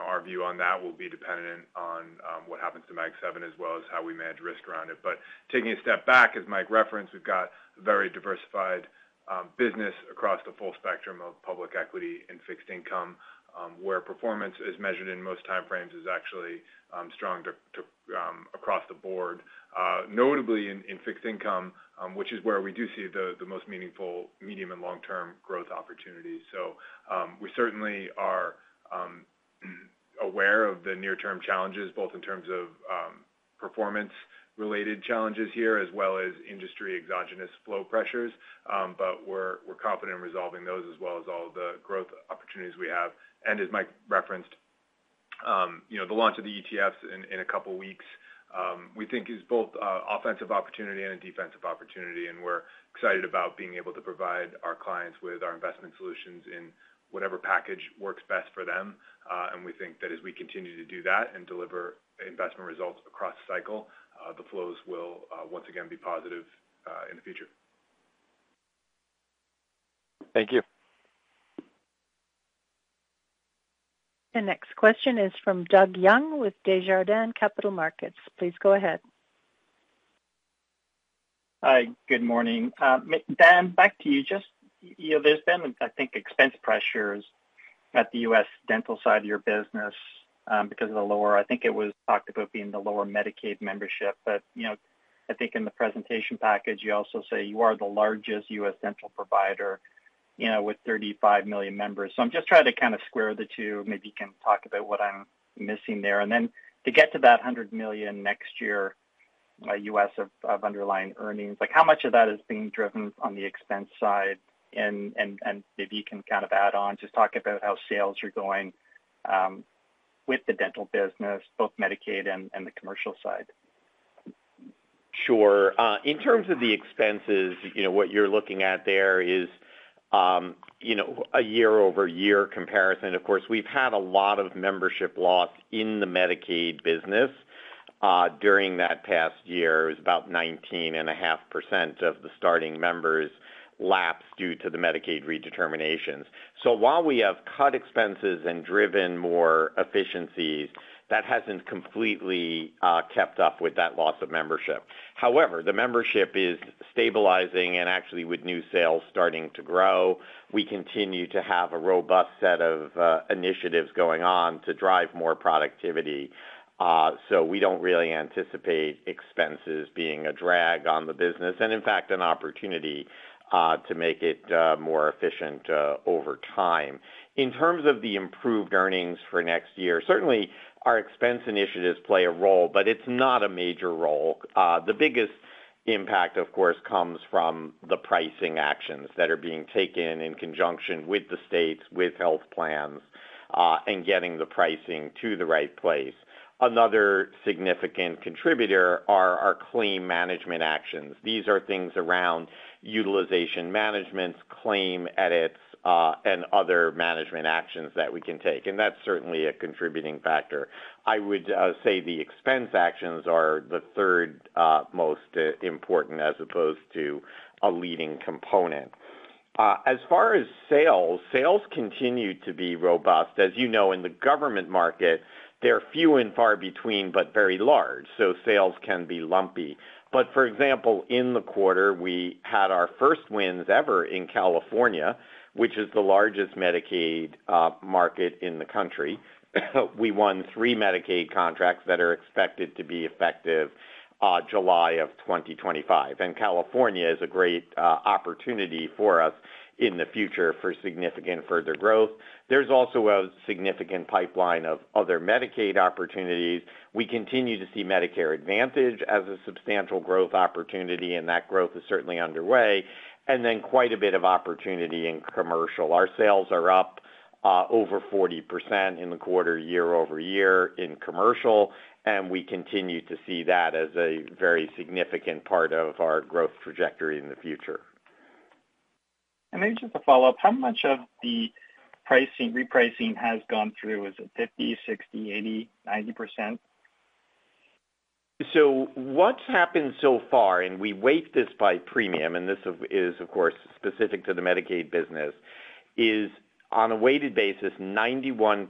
our view on that will be dependent on what happens to Mag 7 as well as how we manage risk around it, but taking a step back, as Mike referenced, we've got a very diversified business across the full spectrum of public equity and fixed income where performance is measured in most timeframes, is actually strong across the board, notably in fixed income, which is where we do see the most meaningful medium and long-term growth opportunities, so we certainly are aware of the near-term challenges, both in terms of performance-related challenges here as well as industry exogenous flow pressures. But we're confident in resolving those as well as all the growth opportunities we have. And as Mike referenced, the launch of the ETFs in a couple of weeks, we think, is both an offensive opportunity and a defensive opportunity. And we're excited about being able to provide our clients with our investment solutions in whatever package works best for them. And we think that as we continue to do that and deliver investment results across the cycle, the flows will once again be positive in the future. Thank you. The next question is from Doug Young with Desjardins Capital Markets. Please go ahead. Hi. Good morning. Dan, back to you. Just there's been, I think, expense pressures at the U.S. dental side of your business because of the lower, I think it was talked about being the lower Medicaid membership. But I think in the presentation package, you also say you are the largest U.S. dental provider with 35 million members. So I'm just trying to kind of square the two. Maybe you can talk about what I'm missing there. And then to get to that 100 million next year U.S. of underlying earnings, how much of that is being driven on the expense side? And maybe you can kind of add on, just talk about how sales are going with the dental business, both Medicaid and the commercial side. Sure. In terms of the expenses, what you're looking at there is a year-over-year comparison. Of course, we've had a lot of membership loss in the Medicaid business. During that past year, it was about 19.5% of the starting members' lapse due to the Medicaid redeterminations. So while we have cut expenses and driven more efficiencies, that hasn't completely kept up with that loss of membership. However, the membership is stabilizing. And actually, with new sales starting to grow, we continue to have a robust set of initiatives going on to drive more productivity. So we don't really anticipate expenses being a drag on the business and, in fact, an opportunity to make it more efficient over time. In terms of the improved earnings for next year, certainly, our expense initiatives play a role. But it's not a major role. The biggest impact, of course, comes from the pricing actions that are being taken in conjunction with the states, with health plans, and getting the pricing to the right place. Another significant contributor are our claim management actions. These are things around utilization management, claim edits, and other management actions that we can take. And that's certainly a contributing factor. I would say the expense actions are the third most important as opposed to a leading component. As far as sales, sales continue to be robust. As you know, in the government market, they're few and far between but very large. So sales can be lumpy. But for example, in the quarter, we had our first wins ever in California, which is the largest Medicaid market in the country. We won three Medicaid contracts that are expected to be effective July of 2025. California is a great opportunity for us in the future for significant further growth. There's also a significant pipeline of other Medicaid opportunities. We continue to see Medicare Advantage as a substantial growth opportunity. That growth is certainly underway. Quite a bit of opportunity in commercial. Our sales are up over 40% in the quarter year-over-year in commercial. We continue to see that as a very significant part of our growth trajectory in the future. And maybe just a follow-up. How much of the pricing, repricing has gone through? Is it 50, 60, 80, 90%? So what's happened so far, and we weigh this by premium, and this is, of course, specific to the Medicaid business, is on a weighted basis, 91%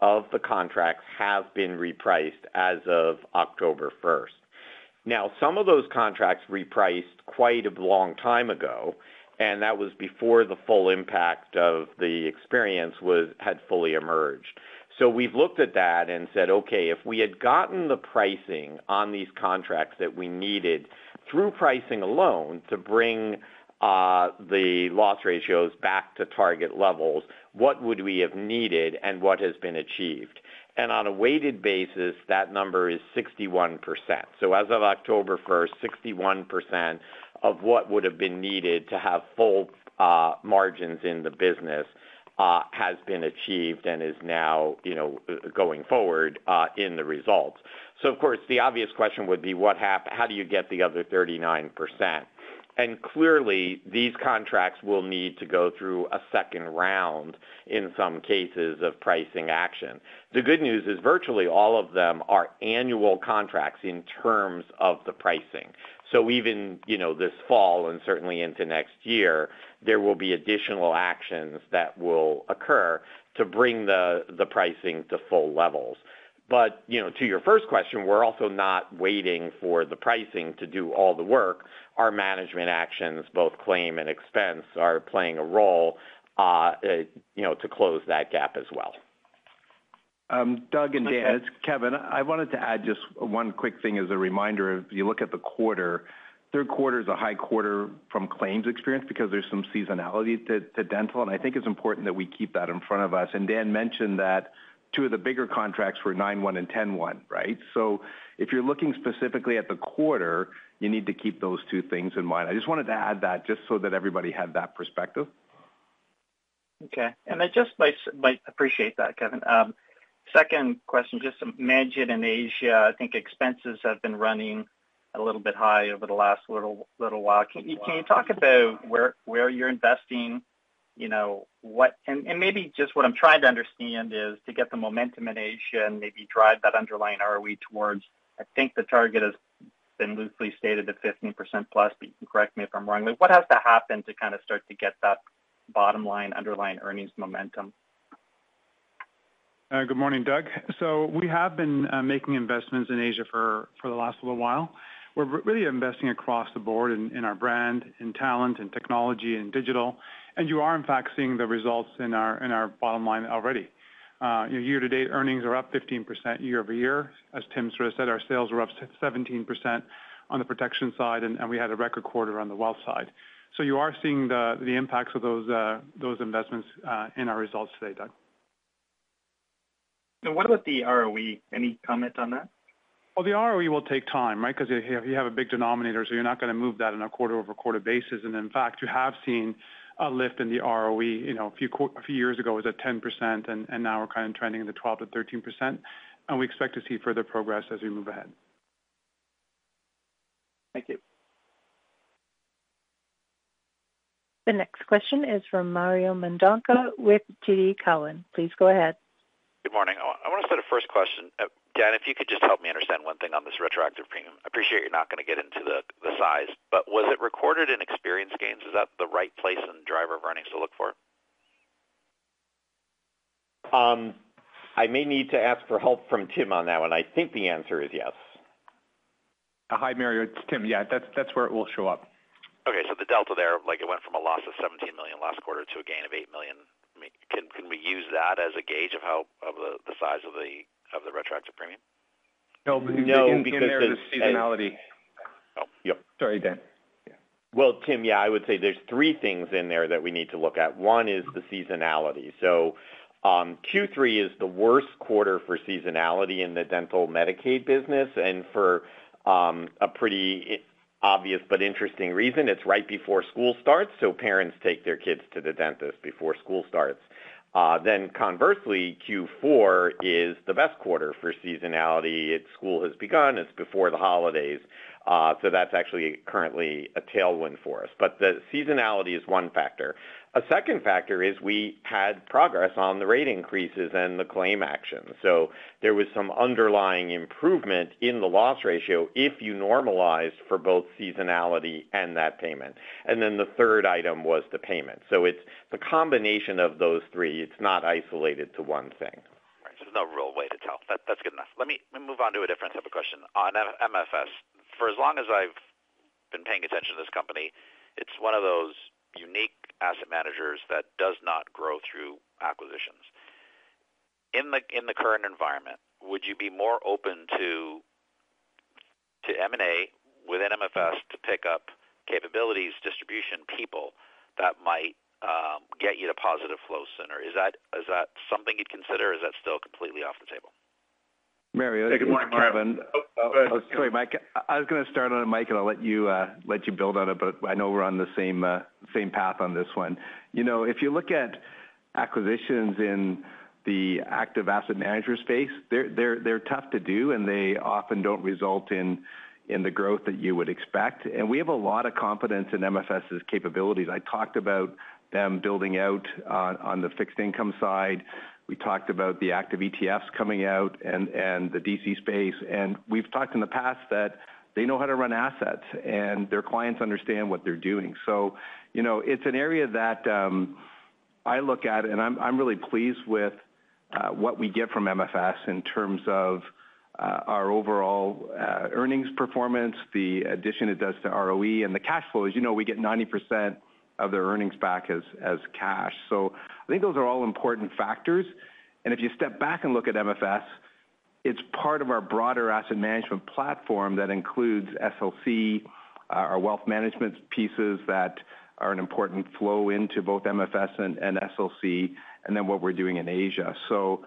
of the contracts have been repriced as of October 1st. Now, some of those contracts repriced quite a long time ago. And that was before the full impact of the experience had fully emerged. So we've looked at that and said, "Okay. If we had gotten the pricing on these contracts that we needed through pricing alone to bring the loss ratios back to target levels, what would we have needed and what has been achieved?" And on a weighted basis, that number is 61%. So as of October 1st, 61% of what would have been needed to have full margins in the business has been achieved and is now going forward in the results. So, of course, the obvious question would be, how do you get the other 39%? And clearly, these contracts will need to go through a second round in some cases of pricing action. The good news is virtually all of them are annual contracts in terms of the pricing. So even this fall and certainly into next year, there will be additional actions that will occur to bring the pricing to full levels. But to your first question, we're also not waiting for the pricing to do all the work. Our management actions, both claim and expense, are playing a role to close that gap as well. Doug and Dan, it's Kevin. I wanted to add just one quick thing as a reminder. If you look at the quarter, third quarter is a high quarter from claims experience because there's some seasonality to dental. And I think it's important that we keep that in front of us. And Dan mentioned that two of the bigger contracts were 9-1 and 10-1, right? So if you're looking specifically at the quarter, you need to keep those two things in mind. I just wanted to add that just so that everybody had that perspective. Okay. And I just appreciate that, Kevin. Second question, just some management in Asia. I think expenses have been running a little bit high over the last little while. Can you talk about where you're investing? And maybe just what I'm trying to understand is to get the momentum in Asia and maybe drive that underlying ROE towards, I think the target has been loosely stated at 15% plus, but you can correct me if I'm wrong. What has to happen to kind of start to get that bottom line underlying earnings momentum? Good morning, Doug. So we have been making investments in Asia for the last little while. We're really investing across the board in our brand and talent and technology and digital. And you are, in fact, seeing the results in our bottom line already. Year-to-date earnings are up 15% year-over-year. As Tim sort of said, our sales were up 17% on the protection side. And we had a record quarter on the wealth side. So you are seeing the impacts of those investments in our results today, Doug. What about the ROE? Any comment on that? The ROE will take time, right? Because you have a big denominator. You're not going to move that on a quarter-over-quarter basis. In fact, you have seen a lift in the ROE. A few years ago, it was at 10%. Now we're kind of trending at 12%-13%. We expect to see further progress as we move ahead. Thank you. The next question is from Mario Mendonca with TD Cowen. Please go ahead. Good morning. I want to start a first question. Dan, if you could just help me understand one thing on this retroactive premium. I appreciate you're not going to get into the size. But was it recorded in experience gains? Is that the right place and driver of earnings to look for? I may need to ask for help from Tim on that one. I think the answer is yes. Hi, Mario. It's Tim. Yeah. That's where it will show up. Okay. So the delta there, it went from a loss of 17 million last quarter to a gain of 8 million. Can we use that as a gauge of the size of the retroactive premium? No. Because there's seasonality. Oh. Yep. Sorry, Dan. Tim, yeah, I would say there's three things in there that we need to look at. One is the seasonality. So Q3 is the worst quarter for seasonality in the dental Medicaid business. And for a pretty obvious but interesting reason, it's right before school starts. So parents take their kids to the dentist before school starts. Then conversely, Q4 is the best quarter for seasonality. School has begun. It's before the holidays. So that's actually currently a tailwind for us. But the seasonality is one factor. A second factor is we had progress on the rate increases and the claim action. So there was some underlying improvement in the loss ratio if you normalized for both seasonality and that payment. And then the third item was the payment. So it's the combination of those three. It's not isolated to one thing. Right. So there's no real way to tell. That's good enough. Let me move on to a different type of question. On MFS, for as long as I've been paying attention to this company, it's one of those unique asset managers that does not grow through acquisitions. In the current environment, would you be more open to M&A within MFS to pick up capabilities, distribution people that might get you to positive flows sooner? Is that something you'd consider? Or is that still completely off the table? Mario. Hey. Good morning, Kevin. Sorry, Mike. I was going to start on Mike, and I'll let you build on it. But I know we're on the same path on this one. If you look at acquisitions in the active asset manager space, they're tough to do. And they often don't result in the growth that you would expect. And we have a lot of confidence in MFS's capabilities. I talked about them building out on the fixed income side. We talked about the active ETFs coming out and the DC space. And we've talked in the past that they know how to run assets. And their clients understand what they're doing. So it's an area that I look at. And I'm really pleased with what we get from MFS in terms of our overall earnings performance, the addition it does to ROE, and the cash flows. We get 90% of their earnings back as cash. So I think those are all important factors. And if you step back and look at MFS, it's part of our broader asset management platform that includes SLC, our wealth management pieces that are an important flow into both MFS and SLC, and then what we're doing in Asia. So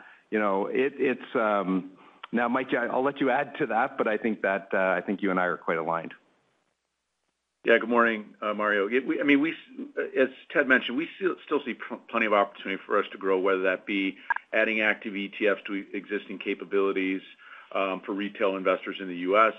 now, Mike, I'll let you add to that. But I think you and I are quite aligned. Yeah. Good morning, Mario. I mean, as Ted mentioned, we still see plenty of opportunity for us to grow, whether that be adding active ETFs to existing capabilities for retail investors in the U.S.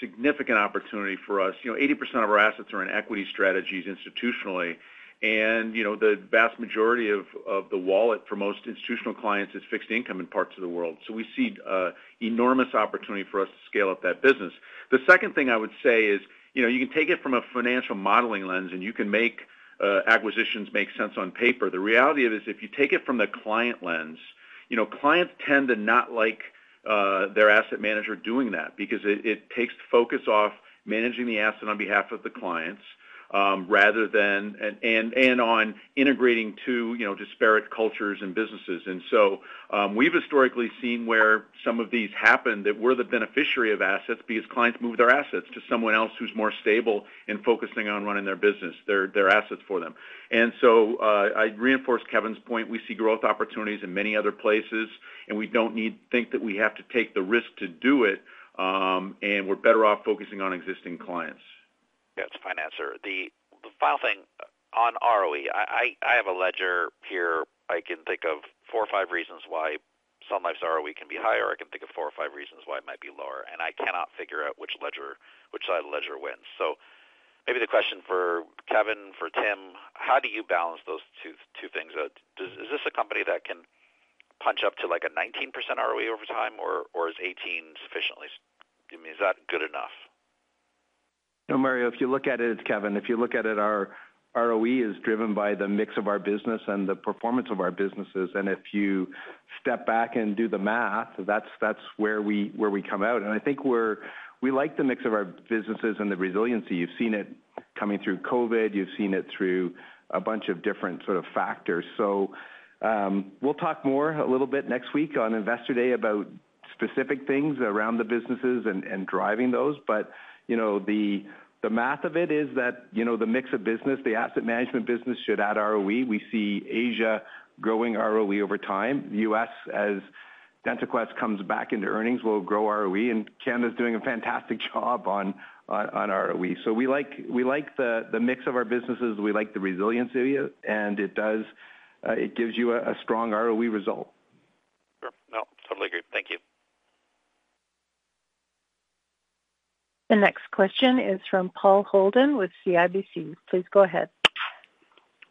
Significant opportunity for us. 80% of our assets are in equity strategies institutionally. And the vast majority of the wallet for most institutional clients is fixed income in parts of the world. So we see enormous opportunity for us to scale up that business. The second thing I would say is you can take it from a financial modeling lens, and you can make acquisitions make sense on paper. The reality of it is if you take it from the client lens, clients tend to not like their asset manager doing that because it takes the focus off managing the asset on behalf of the clients rather than and on integrating to disparate cultures and businesses. And so we've historically seen where some of these happen that we're the beneficiary of assets because clients move their assets to someone else who's more stable and focusing on running their business, their assets for them. And so I reinforce Kevin's point. We see growth opportunities in many other places. And we don't think that we have to take the risk to do it. And we're better off focusing on existing clients. Yeah. It's a fine answer. The final thing on ROE, I have a ledger here. I can think of four or five reasons why Sun Life's ROE can be higher. I can think of four or five reasons why it might be lower. And I cannot figure out which side of the ledger wins. So maybe the question for Kevin, for Tim, how do you balance those two things? Is this a company that can punch up to like a 19% ROE over time? Or is 18% sufficient? I mean, is that good enough? No, Mario. If you look at it, it's Kevin. If you look at it, our ROE is driven by the mix of our business and the performance of our businesses. And if you step back and do the math, that's where we come out. And I think we like the mix of our businesses and the resiliency. You've seen it coming through COVID. You've seen it through a bunch of different sort of factors. So we'll talk more a little bit next week on Investor Day about specific things around the businesses and driving those. But the math of it is that the mix of business, the asset management business should add ROE. We see Asia growing ROE over time. The U.S., as DentaQuest comes back into earnings, will grow ROE. And Canada's doing a fantastic job on ROE. So we like the mix of our businesses. We like the resiliency of it, and it gives you a strong ROE result. Sure. No. Totally agree. Thank you. The next question is from Paul Holden with CIBC. Please go ahead.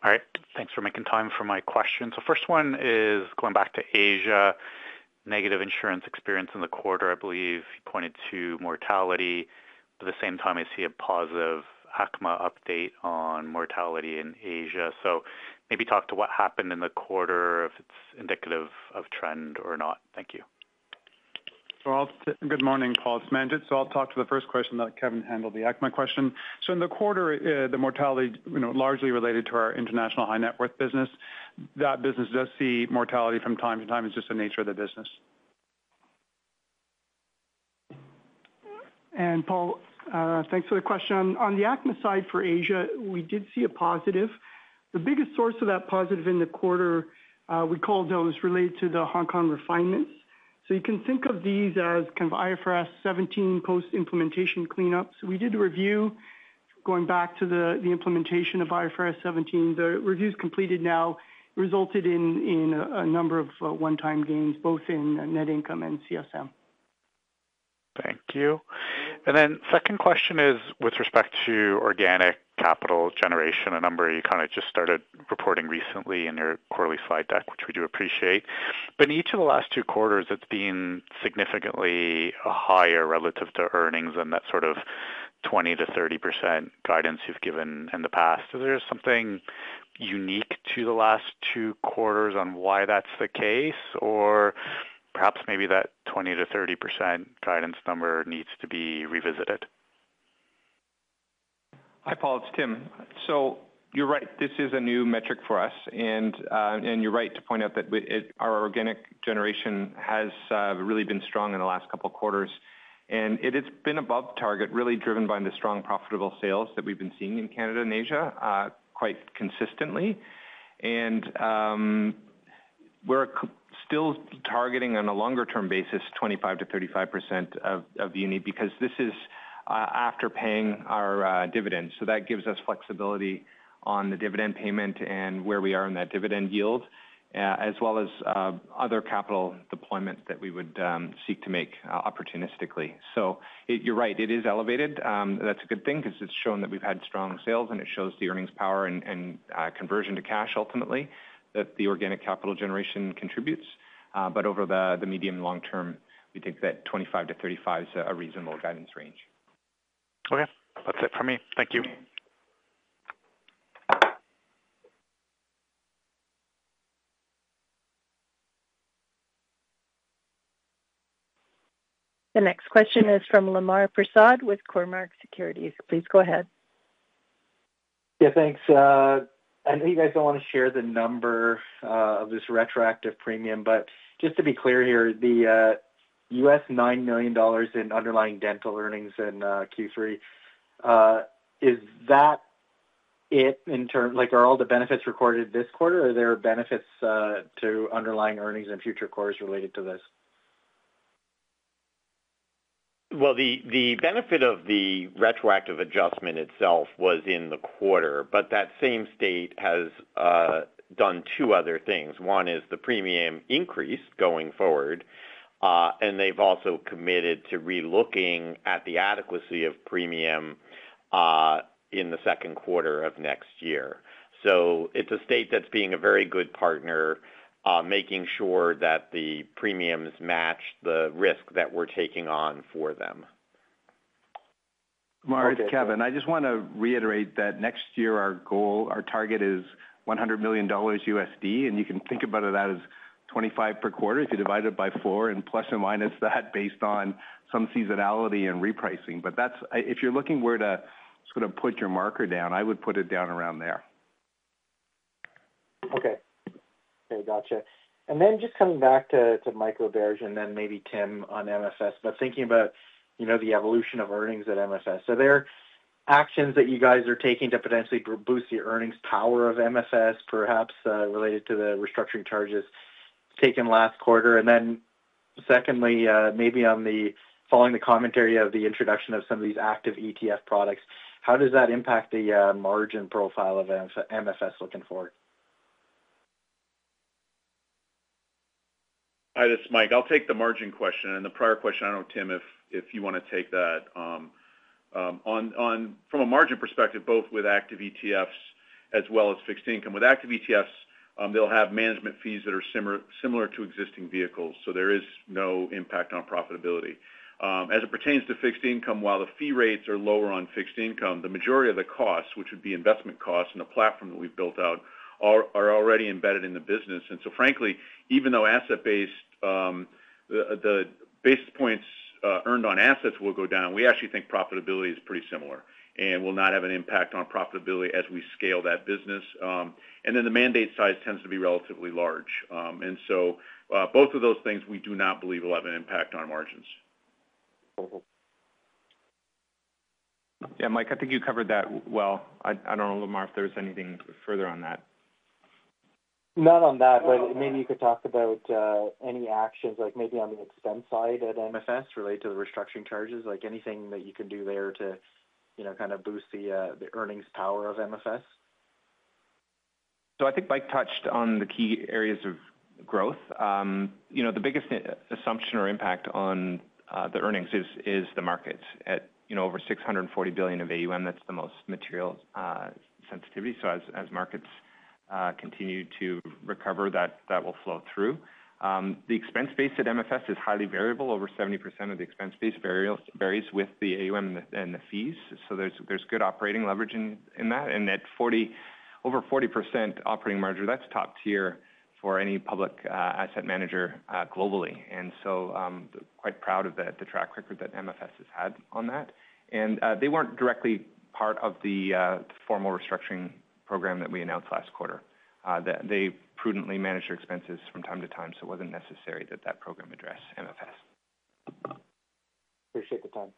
All right. Thanks for making time for my question. So first one is going back to Asia. Negative insurance experience in the quarter, I believe. He pointed to mortality. At the same time, I see a positive ACMA update on mortality in Asia. So maybe talk to what happened in the quarter, if it's indicative of trend or not. Thank you. Good morning, Paul. It's Mike. I'll talk to the first question that Kevin handled, the ACMA question. In the quarter, the mortality largely related to our international high-net-worth business. That business does see mortality from time to time. It's just the nature of the business. Paul, thanks for the question. On the ACMA side for Asia, we did see a positive. The biggest source of that positive in the quarter we called those related to the Hong Kong refinements. You can think of these as kind of IFRS 17 post-implementation cleanups. We did a review going back to the implementation of IFRS 17. The reviews completed now resulted in a number of one-time gains, both in net income and CSM. Thank you, and then second question is with respect to organic capital generation, a number you kind of just started reporting recently in your quarterly slide deck, which we do appreciate, but in each of the last two quarters, it's been significantly higher relative to earnings and that sort of 20%-30% guidance you've given in the past. Is there something unique to the last two quarters on why that's the case? Or perhaps maybe that 20%-30% guidance number needs to be revisited? Hi, Paul. It's Tim, so you're right. This is a new metric for us, and you're right to point out that our organic generation has really been strong in the last couple of quarters, and it has been above target, really driven by the strong profitable sales that we've been seeing in Canada and Asia quite consistently, and we're still targeting on a longer-term basis 25%-35% of uni because this is after paying our dividends, so that gives us flexibility on the dividend payment and where we are in that dividend yield, as well as other capital deployment that we would seek to make opportunistically, so you're right. It is elevated. That's a good thing because it's shown that we've had strong sales, and it shows the earnings power and conversion to cash ultimately that the organic capital generation contributes. But over the medium and long term, we think that 25 to 35 is a reasonable guidance range. Okay. That's it from me. Thank you. The next question is from Lemar Persaud with Cormark Securities. Please go ahead. Yeah. Thanks. I know you guys don't want to share the number of this retroactive premium. But just to be clear here, the $9 million in underlying dental earnings in Q3, is that it? Are all the benefits recorded this quarter? Are there benefits to underlying earnings and future quarters related to this? The benefit of the retroactive adjustment itself was in the quarter, but that same state has done two other things. One is the premium increase going forward, and they've also committed to re-looking at the adequacy of premium in the second quarter of next year, so it's a state that's being a very good partner, making sure that the premiums match the risk that we're taking on for them. Mark, Kevin, I just want to reiterate that next year, our target is $100 million USD. And you can think about it as 25 per quarter if you divide it by four and plus or minus that based on some seasonality and repricing. But if you're looking where to sort of put your marker down, I would put it down around there. Okay. Okay. Gotcha. And then just coming back to Mike Roberge and then maybe Tim on MFS, but thinking about the evolution of earnings at MFS. Are there actions that you guys are taking to potentially boost the earnings power of MFS, perhaps related to the restructuring charges taken last quarter? And then secondly, maybe following the commentary of the introduction of some of these active ETF products, how does that impact the margin profile of MFS looking forward? Hi. This is Mike. I'll take the margin question. And the prior question, I don't know, Tim, if you want to take that. From a margin perspective, both with active ETFs as well as fixed income, with active ETFs, they'll have management fees that are similar to existing vehicles. So there is no impact on profitability. As it pertains to fixed income, while the fee rates are lower on fixed income, the majority of the costs, which would be investment costs in the platform that we've built out, are already embedded in the business. And so frankly, even though the basis points earned on assets will go down, we actually think profitability is pretty similar and will not have an impact on profitability as we scale that business. And then the mandate size tends to be relatively large. And so both of those things, we do not believe will have an impact on margins. Yeah. Mike, I think you covered that well. I don't know, Lemar, if there's anything further on that. Not on that. But maybe you could talk about any actions maybe on the expense side at MFS related to the restructuring charges, anything that you can do there to kind of boost the earnings power of MFS? I think Mike touched on the key areas of growth. The biggest assumption or impact on the earnings is the markets. At over $640 billion of AUM, that's the most material sensitivity. As markets continue to recover, that will flow through. The expense base at MFS is highly variable. Over 70% of the expense base varies with the AUM and the fees. There's good operating leverage in that. And at over 40% operating margin, that's top tier for any public asset manager globally. And so quite proud of the track record that MFS has had on that. And they weren't directly part of the formal restructuring program that we announced last quarter. They prudently managed their expenses from time to time. It wasn't necessary that that program addressed MFS. Appreciate the time.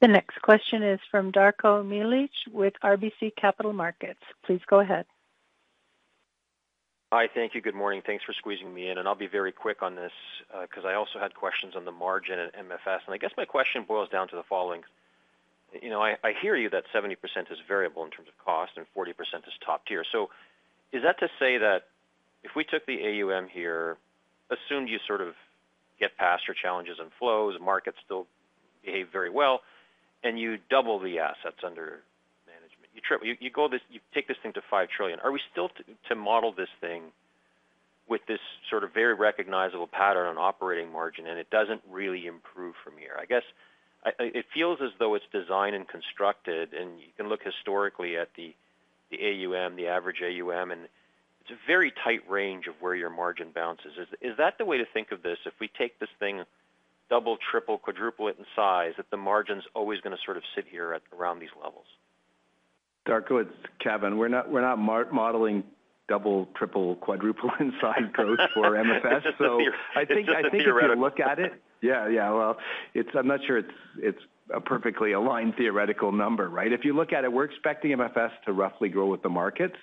The next question is from Darko Mihelic with RBC Capital Markets. Please go ahead. Hi. Thank you. Good morning. Thanks for squeezing me in, and I'll be very quick on this because I also had questions on the margin at MFS, and I guess my question boils down to the following. I hear you that 70% is variable in terms of cost and 40% is top tier, so is that to say that if we took the AUM here, assumed you sort of get past your challenges and flows, markets still behave very well, and you double the assets under management, you take this thing to 5 trillion, are we still to model this thing with this sort of very recognizable pattern on operating margin and it doesn't really improve from here? I guess it feels as though it's designed and constructed, and you can look historically at the AUM, the average AUM, and it's a very tight range of where your margin bounces. Is that the way to think of this? If we take this thing, double, triple, quadruple it in size, that the margin's always going to sort of sit here around these levels? Darko, it's Kevin. We're not modeling double, triple, quadruple in size growth for MFS. So I think if you look at it. Yeah. Yeah. Well, I'm not sure it's a perfectly aligned theoretical number, right? If you look at it, we're expecting MFS to roughly grow with the markets.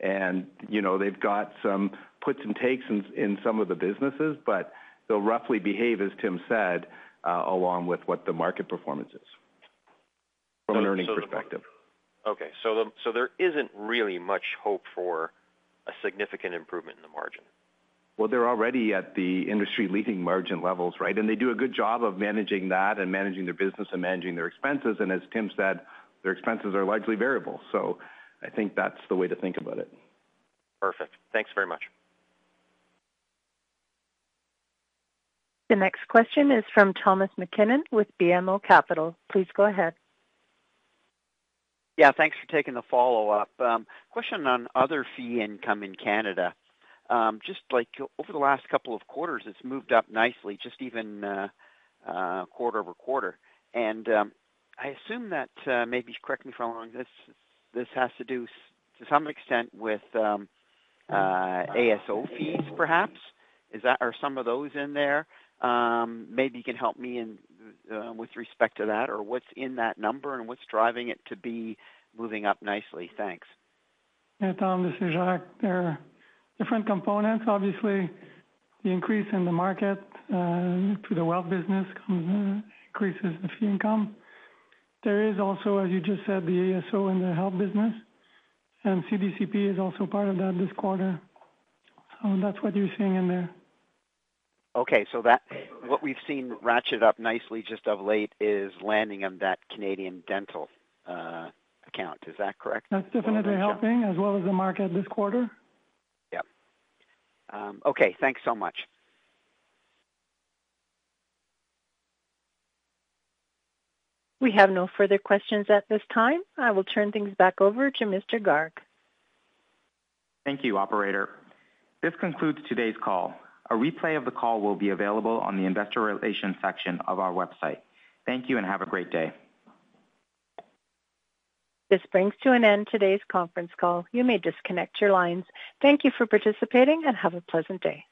And they've got some puts and takes in some of the businesses. But they'll roughly behave, as Tim said, along with what the market performance is from an earnings perspective. Okay, so there isn't really much hope for a significant improvement in the margin? Well, they're already at the industry-leading margin levels, right? And they do a good job of managing that and managing their business and managing their expenses. And as Tim said, their expenses are largely variable. So I think that's the way to think about it. Perfect. Thanks very much. The next question is from Thomas MacKinnon with BMO Capital. Please go ahead. Yeah. Thanks for taking the follow-up. Question on other fee income in Canada. Just over the last couple of quarters, it's moved up nicely, just even quarter over quarter. And I assume that maybe correct me if I'm wrong. This has to do to some extent with ASO fees, perhaps. Are some of those in there? Maybe you can help me with respect to that. Or what's in that number and what's driving it to be moving up nicely? Thanks. Yeah. Tom, this is Jacques. There are different components. Obviously, the increase in the market to the wealth business increases the fee income. There is also, as you just said, the ASO and the health business. And CDCP is also part of that this quarter. So that's what you're seeing in there. Okay. So what we've seen ratchet up nicely just of late is landing on that Canadian dental account. Is that correct? That's definitely helping as well as the market this quarter. Yeah. Okay. Thanks so much. We have no further questions at this time. I will turn things back over to Mr. Garg. Thank you, Operator. This concludes today's call. A replay of the call will be available on the investor relations section of our website. Thank you and have a great day. This brings to an end today's conference call. You may disconnect your lines. Thank you for participating and have a pleasant day.